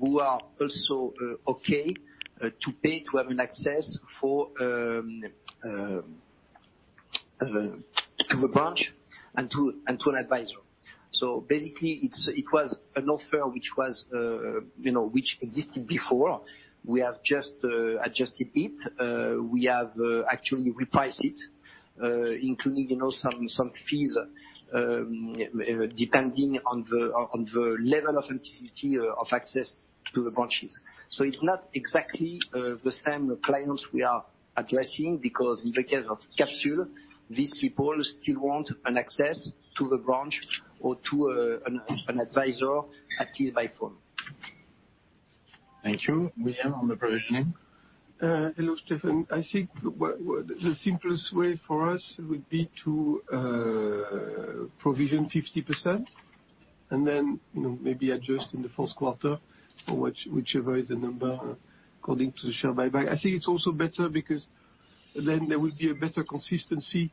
who are also okay to pay to have an access to the branch and to an advisor. Basically, it was an offer which existed before. We have just adjusted it. We have actually repriced it, including some fees, depending on the level of activity of access to the branches. It's not exactly the same clients we are addressing, because in the case of Kapsul, these people still want an access to the branch or to an advisor, at least by phone. Thank you. William, on the provisioning. Hello, Stefan. I think the simplest way for us would be to provision 50% and then maybe adjust in the first quarter for whichever is the number according to the share buyback. I think it's also better because then there will be a better consistency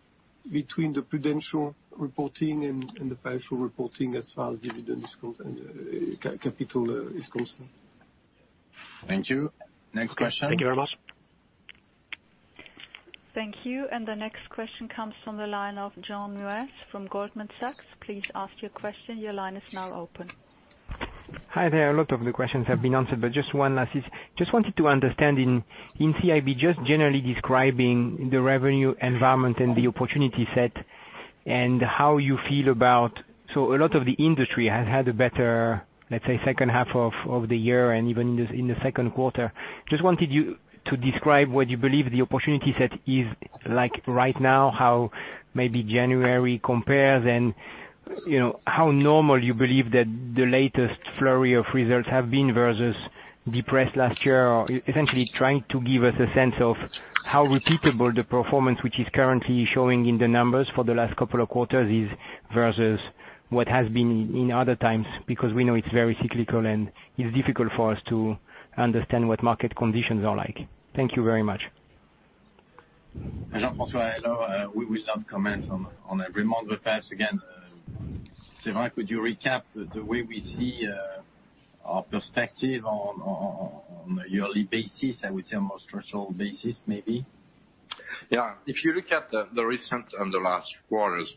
between the prudential reporting and the financial reporting as far as dividend is concerned, capital is concerned. Thank you. Next question. Thank you very much. Thank you. The next question comes from the line of Jean Neuez from Goldman Sachs. Please ask your question. Your line is now open. Hi there. A lot of the questions have been answered, but just one last. Just wanted to understand, in CIB, just generally describing the revenue environment and the opportunity set. A lot of the industry has had a better, let's say, second half of the year and even in the second quarter. Just wanted you to describe what you believe the opportunity set is like right now, how maybe January compares and how normal you believe that the latest flurry of results have been versus depressed last year or essentially trying to give us a sense of how repeatable the performance, which is currently showing in the numbers for the last couple of quarters is, versus what has been in other times, because we know it's very cyclical and it's difficult for us to understand what market conditions are like. Thank you very much. Jean-François, hello. We will not comment on every month, perhaps again, Séverin, could you recap the way we see our perspective on a yearly basis? I would say almost structural basis, maybe. If you look at the recent and the last quarter's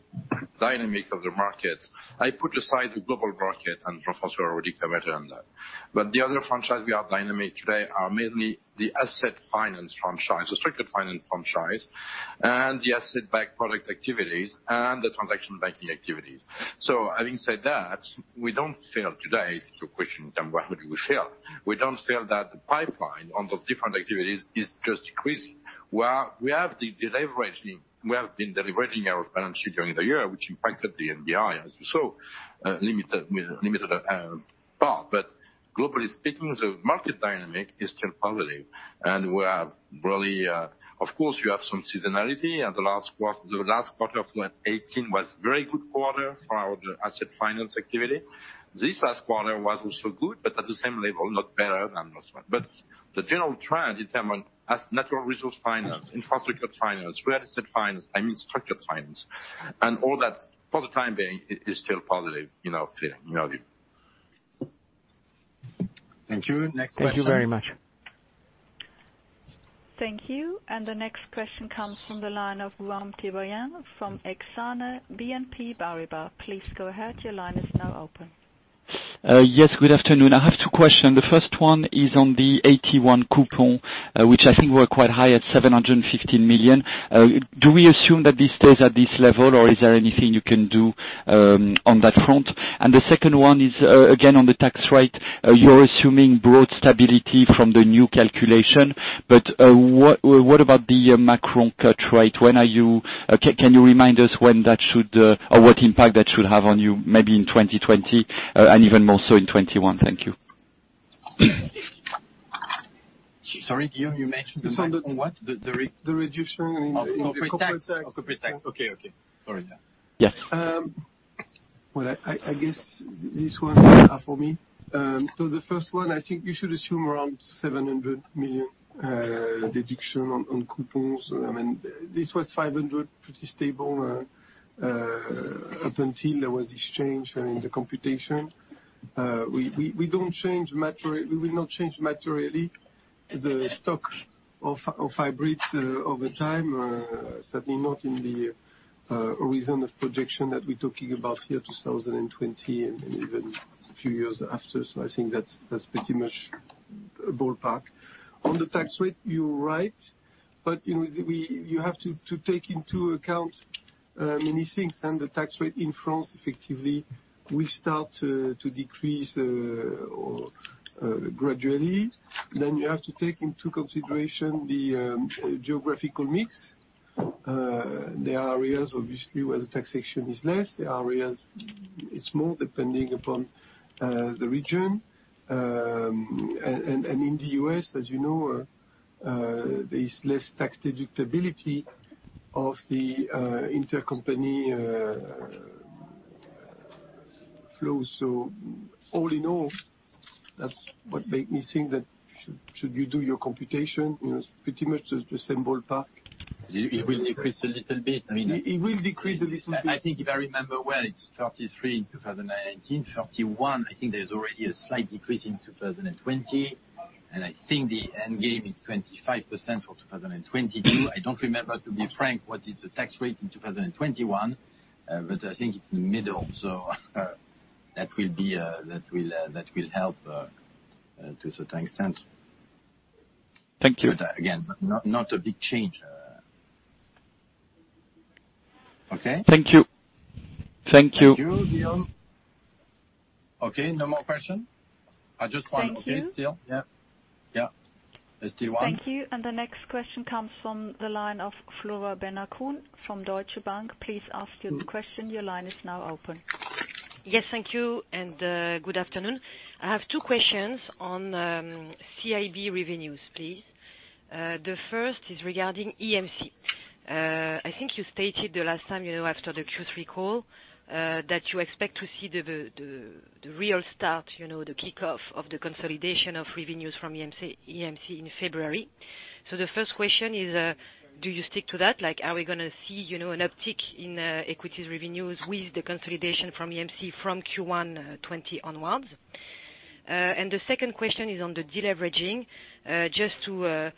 dynamic of the market, I put aside the global bracket, François already commented on that. The other franchise we are dynamic today are mainly the asset finance franchise, the structured finance franchise, and the asset-backed product activities and the transaction banking activities. Having said that, we don't feel today, to your question, Jean, what do we feel? We don't feel that the pipeline on those different activities is just decreasing. While we have the deleveraging, we have been deleveraging our balance sheet during the year, which impacted the NBI as so, limited part. Globally speaking, the market dynamic is still positive, and of course, you have some seasonality, and the last quarter of 2018 was very good quarter for our asset finance activity. This last quarter was also good, at the same level, not better than last one. The general trend determined as natural resource finance, infrastructure finance, real estate finance, I mean structured finance, and all that, for the time being, is still positive feeling. Thank you. Next question. Thank you very much. Thank you. The next question comes from the line of Guillaume Tiberghien from Exane BNP Paribas. Please go ahead. Your line is now open. Yes, good afternoon. I have two questions. The first one is on the AT1 coupon, which I think were quite high at 750 million. Do we assume that this stays at this level, or is there anything you can do on that front? The second one is, again, on the tax rate. You're assuming broad stability from the new calculation, what about the Macron cut rate? Can you remind us what impact that should have on you, maybe in 2020, and even more so in 2021? Thank you. Sorry, Guillaume, you mentioned the what? The reduction in the- Of the tax? Of the tax. Okay. Sorry. Yeah. I guess these ones are for me. The first one, I think we should assume around 700 million deduction on coupons. This was 500, pretty stable, up until there was this change in the computation. We will not change materially the stock of hybrids over time. Certainly not in the reasonable projection that we're talking about here, 2020 and even a few years after. I think that's pretty much a ballpark. On the tax rate, you're right. You have to take into account many things, the tax rate in France effectively will start to decrease gradually. You have to take into consideration the geographical mix. There are areas, obviously, where the taxation is less. There are areas it's more, depending upon the region. In the U.S., as you know, there is less tax deductibility of the intercompany flow. All in all, that's what make me think that should you do your computation, it's pretty much the same ballpark. It will decrease a little bit. It will decrease a little bit. I think if I remember well, it's 33 in 2019, 31, I think there's already a slight decrease in 2020. I think the end game is 25% for 2022. I don't remember, to be frank, what is the tax rate in 2021, but I think it's in the middle. That will help to a certain extent. Thank you. Again, not a big change. Okay? Thank you. Thank you, Guillaume. Okay. No more question? Just one. Okay, still. Yeah. There's still one. Thank you. The next question comes from the line of Flora Bocahut from Deutsche Bank. Please ask your question. Your line is now open. Yes, thank you. Good afternoon. I have two questions on CIB revenues, please. The first is regarding EMC. I think you stated the last time, after the Q3 call, that you expect to see the real start, the kickoff of the consolidation of revenues from EMC in February. The first question is, do you stick to that? Are we going to see an uptick in equities revenues with the consolidation from EMC from Q1 2020 onwards? The second question is on the deleveraging, just to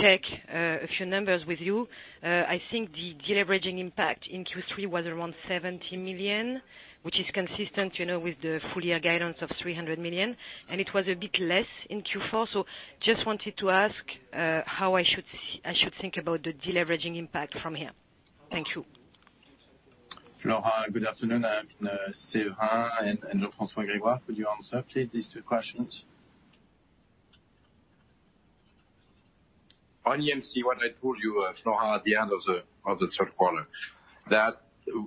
check a few numbers with you. I think the deleveraging impact in Q3 was around 70 million, which is consistent with the full-year guidance of 300 million, and it was a bit less in Q4. Just wanted to ask how I should think about the deleveraging impact from here. Thank you. Flora, good afternoon. Séverin, and Jean-François Grégoire. Could you answer, please, these two questions? On EMC, what I told you, Flora, at the end of the third quarter, that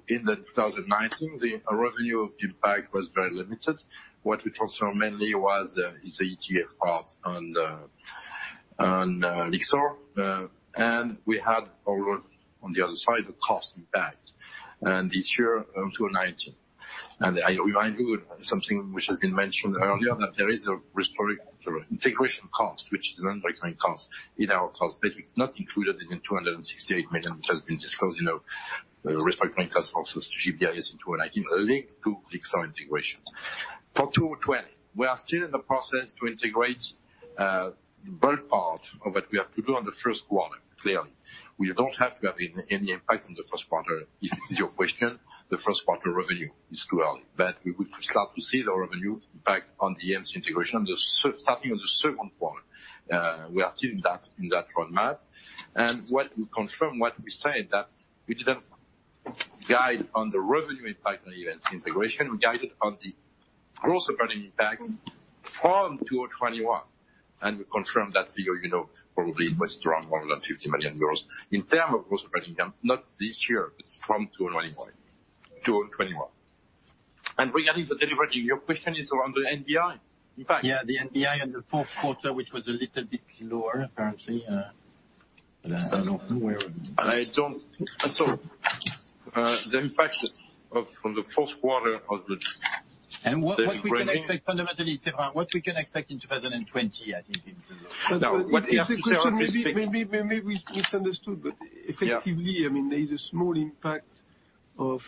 in 2019, the revenue impact was very limited. What we transferred mainly was the ETF part on Lyxor. We had on the other side, the cost impact. This year, 2019. I remind you something which has been mentioned earlier, that there is a restoring integration cost, which is a non-recurring cost in our cost base, not included in the 268 million, which has been disclosed, risk-related costs for SGPS in 2019, linked to Lyxor integrations. For 2020, we are still in the process to integrate the bulk part of what we have to do on the first quarter, clearly. We don't have to have any impact on the first quarter, if this is your question. The first quarter revenue is too early. We would start to see the revenue impact on the EMC integration starting on the second quarter. We are still in that roadmap. What we confirm what we said, that we didn't guide on the revenue impact on the EMC integration. We guided on the gross operating impact from 2021. We confirm that figure, probably it was around 150 million euros. In terms of gross operating income, not this year, but from 2021. Regarding the deleveraging, your question is around the NBI, in fact. Yeah, the NBI in the fourth quarter, which was a little bit lower, apparently. I don't know where- The impact from the fourth quarter of the deleveraging. What we can expect fundamentally, Séverin, what we can expect in 2020. No, what we have to say- Maybe we misunderstood. Effectively, there is a small impact of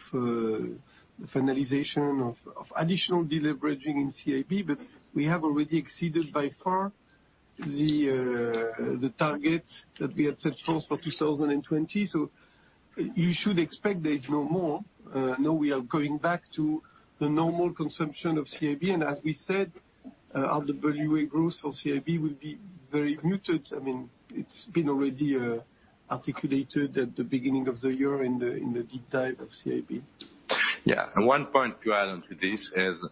finalization of additional deleveraging in CIB, but we have already exceeded by far the target that we had set for us for 2020. You should expect there is no more. Now we are going back to the normal consumption of CIB. As we said, RWA growth for CIB will be very muted. It's been already articulated at the beginning of the year in the deep dive of CIB. Yeah. One point to add on to this is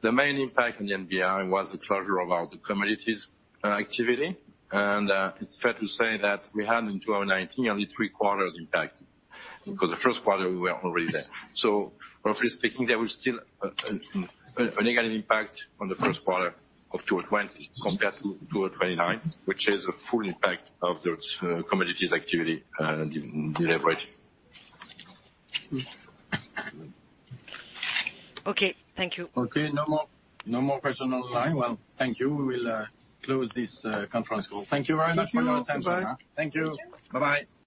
the main impact on the NBI was the closure of our commodities activity. It's fair to say that we had in 2019 only three quarters impact, because the first quarter we were already there. Roughly speaking, there was still a negative impact on the first quarter of 2020 compared to 2019, which is a full impact of those commodities activity deleverage. Okay. Thank you. Okay. No more questions on the line. Well, thank you. We will close this conference call. Thank you very much for your time. Thank you. Bye-bye. Thank you. Bye-bye.